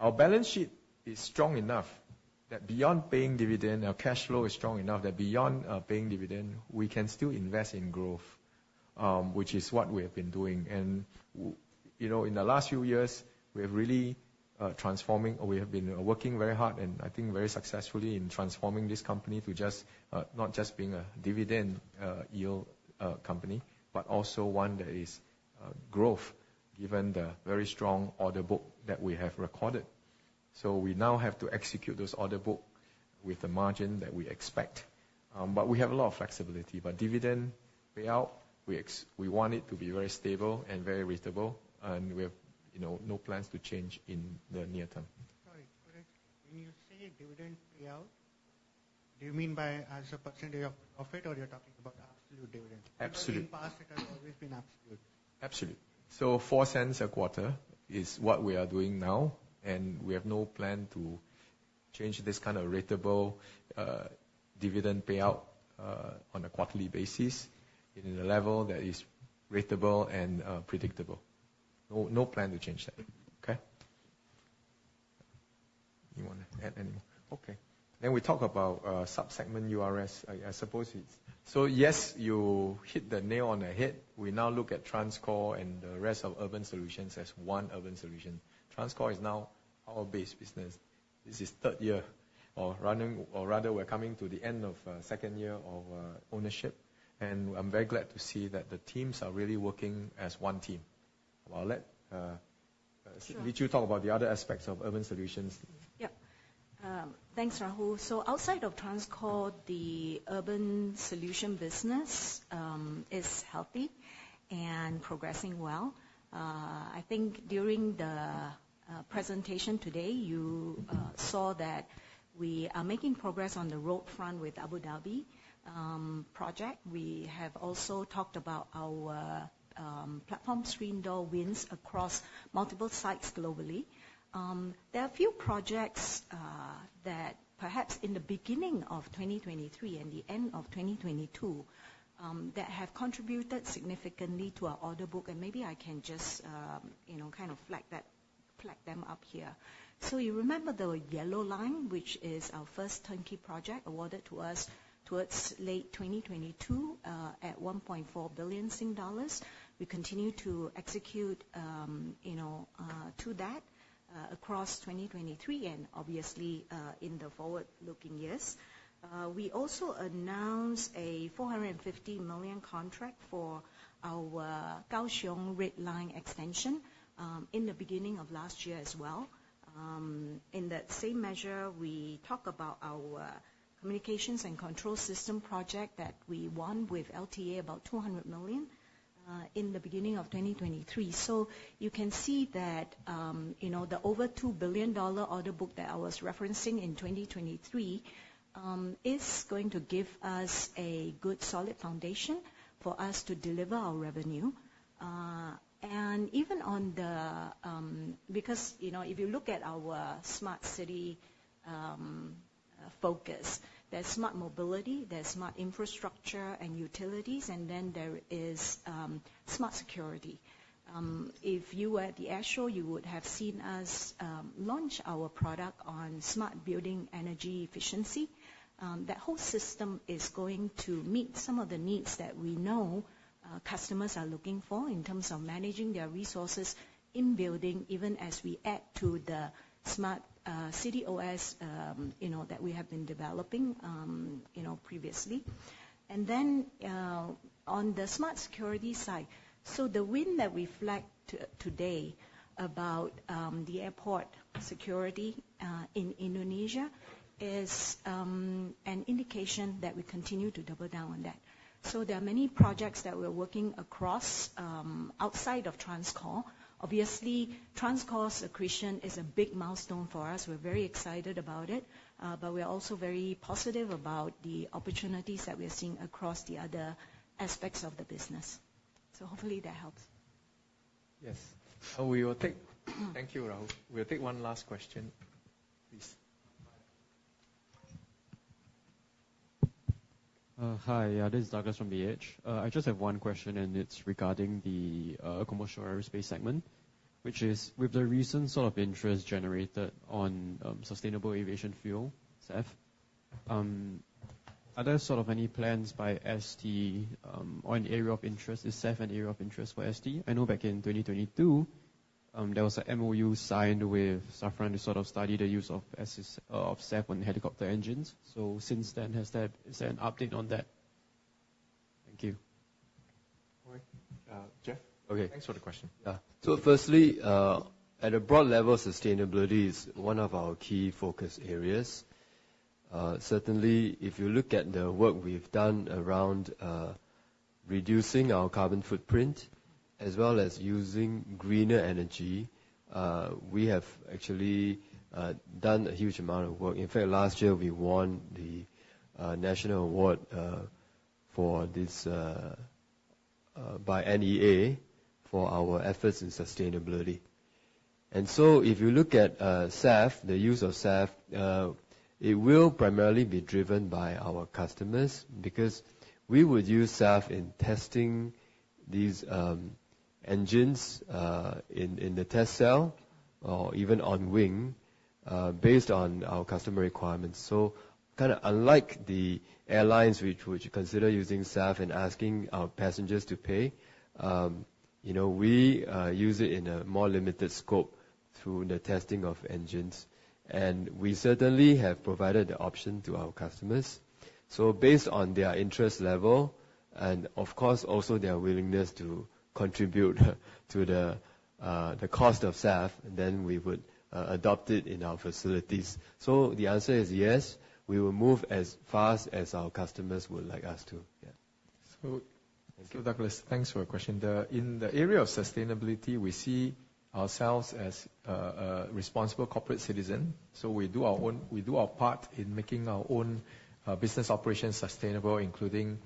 P: Our balance sheet is strong enough that beyond paying dividend, our cash flow is strong enough that beyond paying dividend, we can still invest in growth, which is what we have been doing. In the last few years, we have really transformed or we have been working very hard and I think very successfully in transforming this company to not just being a dividend-yield company but also one that is growth given the very strong order book that we have recorded. We now have to execute those order books with the margin that we expect. We have a lot of flexibility. Dividend payout, we want it to be very stable and very ratable. We have no plans to change in the near term.
O: Sorry. When you say dividend payout, do you mean as a percentage of profit, or you're talking about absolute dividend? In the past, it has always been absolute.
P: Absolute. So 0.04 a quarter is what we are doing now. And we have no plan to change this kind of ratable dividend payout on a quarterly basis in a level that is ratable and predictable. No plan to change that.
O: Okay? You want to add any more?
P: Okay. Then we talk about subsegment URS. I suppose it's so yes, you hit the nail on the head. We now look at TransCore and the rest of Urban Solutions as one Urban Solution. TransCore is now our base business. This is third year. Or rather, we're coming to the end of second year of ownership. And I'm very glad to see that the teams are really working as one team. I'll let Li Qiu talk about the other aspects of Urban Solutions. Yeah. Thanks, Rahul. So outside of TransCore, the Urban Solutions business is healthy and progressing well. I think during the presentation today, you saw that we are making progress on the road front with Abu Dhabi project. We have also talked about our platform screen door wins across multiple sites globally. There are a few projects that perhaps in the beginning of 2023 and the end of 2022 that have contributed significantly to our order book. And maybe I can just kind of flag them up here. So you remember the yellow line, which is our first turnkey project awarded to us towards late 2022 at 1.4 billion Sing dollars? We continue to execute to that across 2023 and obviously in the forward-looking years. We also announced a 450 million contract for our Kaohsiung Red Line extension in the beginning of last year as well. In that same measure, we talk about our communications and control system project that we won with LTA about $200 million in the beginning of 2023. So you can see that the over $2 billion order book that I was referencing in 2023 is going to give us a good solid foundation for us to deliver our revenue. And even on the because if you look at our smart city focus, there's smart mobility, there's smart infrastructure and utilities, and then there is smart security. If you were at the Astro, you would have seen us launch our product on smart building energy efficiency. That whole system is going to meet some of the needs that we know customers are looking for in terms of managing their resources in building even as we add to the smart city OS that we have been developing previously. Then on the smart security side, so the win that we flagged today about the airport security in Indonesia is an indication that we continue to double down on that. So there are many projects that we're working outside of TransCore. Obviously, TransCore's accretion is a big milestone for us. We're very excited about it. But we're also very positive about the opportunities that we are seeing across the other aspects of the business. So hopefully, that helps.
B: Yes.
C: So we will take. Thank you, Rahul. We'll take one last question, please.
Q: Hi. This is Douglas from BH. I just have one question, and it's regarding the commercial aerospace segment, which is with the recent sort of interest generated on sustainable aviation fuel, SAF. Are there sort of any plans by ST, or is SAF an area of interest for ST? I know back in 2022, there was an MOU signed with Safran to sort of study the use of SAF on helicopter engines. So since then, is there an update on that? Thank you.
C: All right. Jeff?
G: Okay. Thanks for the question. Yeah. So firstly, at a broad level, sustainability is one of our key focus areas. Certainly, if you look at the work we've done around reducing our carbon footprint as well as using greener energy, we have actually done a huge amount of work. In fact, last year, we won the national award by NEA for our efforts in sustainability. And so if you look at SEF, the use of SEF, it will primarily be driven by our customers because we would use SEF in testing these engines in the test cell or even on wing based on our customer requirements. So kind of unlike the airlines which consider using SEF and asking our passengers to pay, we use it in a more limited scope through the testing of engines. And we certainly have provided the option to our customers. So based on their interest level and, of course, also their willingness to contribute to the cost of SEF, then we would adopt it in our facilities. So the answer is yes. We will move as fast as our customers would like us to. Yeah. So.
Q: Thank you.
C: So, Douglas, thanks for the question. In the area of sustainability, we see ourselves as a responsible corporate citizen. So we do our part in making our own business operations sustainable, including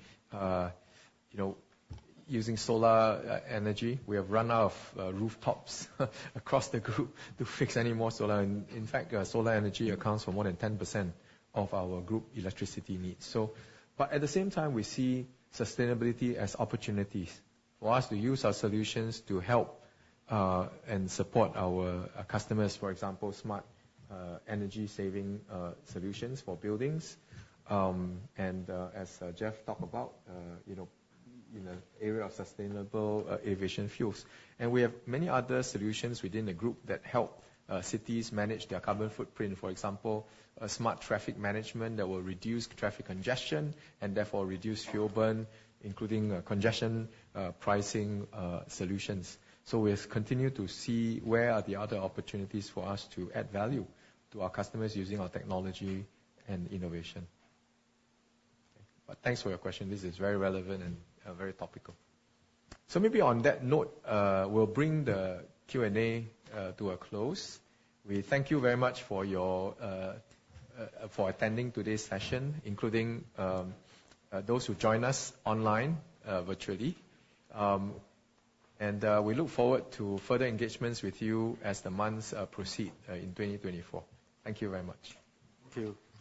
C: using solar energy. We have run out of rooftops across the group to fix any more solar. In fact, solar energy accounts for more than 10% of our group electricity needs. But at the same time, we see sustainability as opportunities for us to use our solutions to help and support our customers, for example, smart energy-saving solutions for buildings. And as Jeff talked about in the area of sustainable aviation fuels, and we have many other solutions within the group that help cities manage their carbon footprint, for example, smart traffic management that will reduce traffic congestion and therefore reduce fuel burn, including congestion pricing solutions. We continue to see where are the other opportunities for us to add value to our customers using our technology and innovation. Thanks for your question. This is very relevant and very topical. Maybe on that note, we'll bring the Q&A to a close. We thank you very much for attending today's session, including those who joined us online virtually. We look forward to further engagements with you as the months proceed in 2024. Thank you very much. Thank you.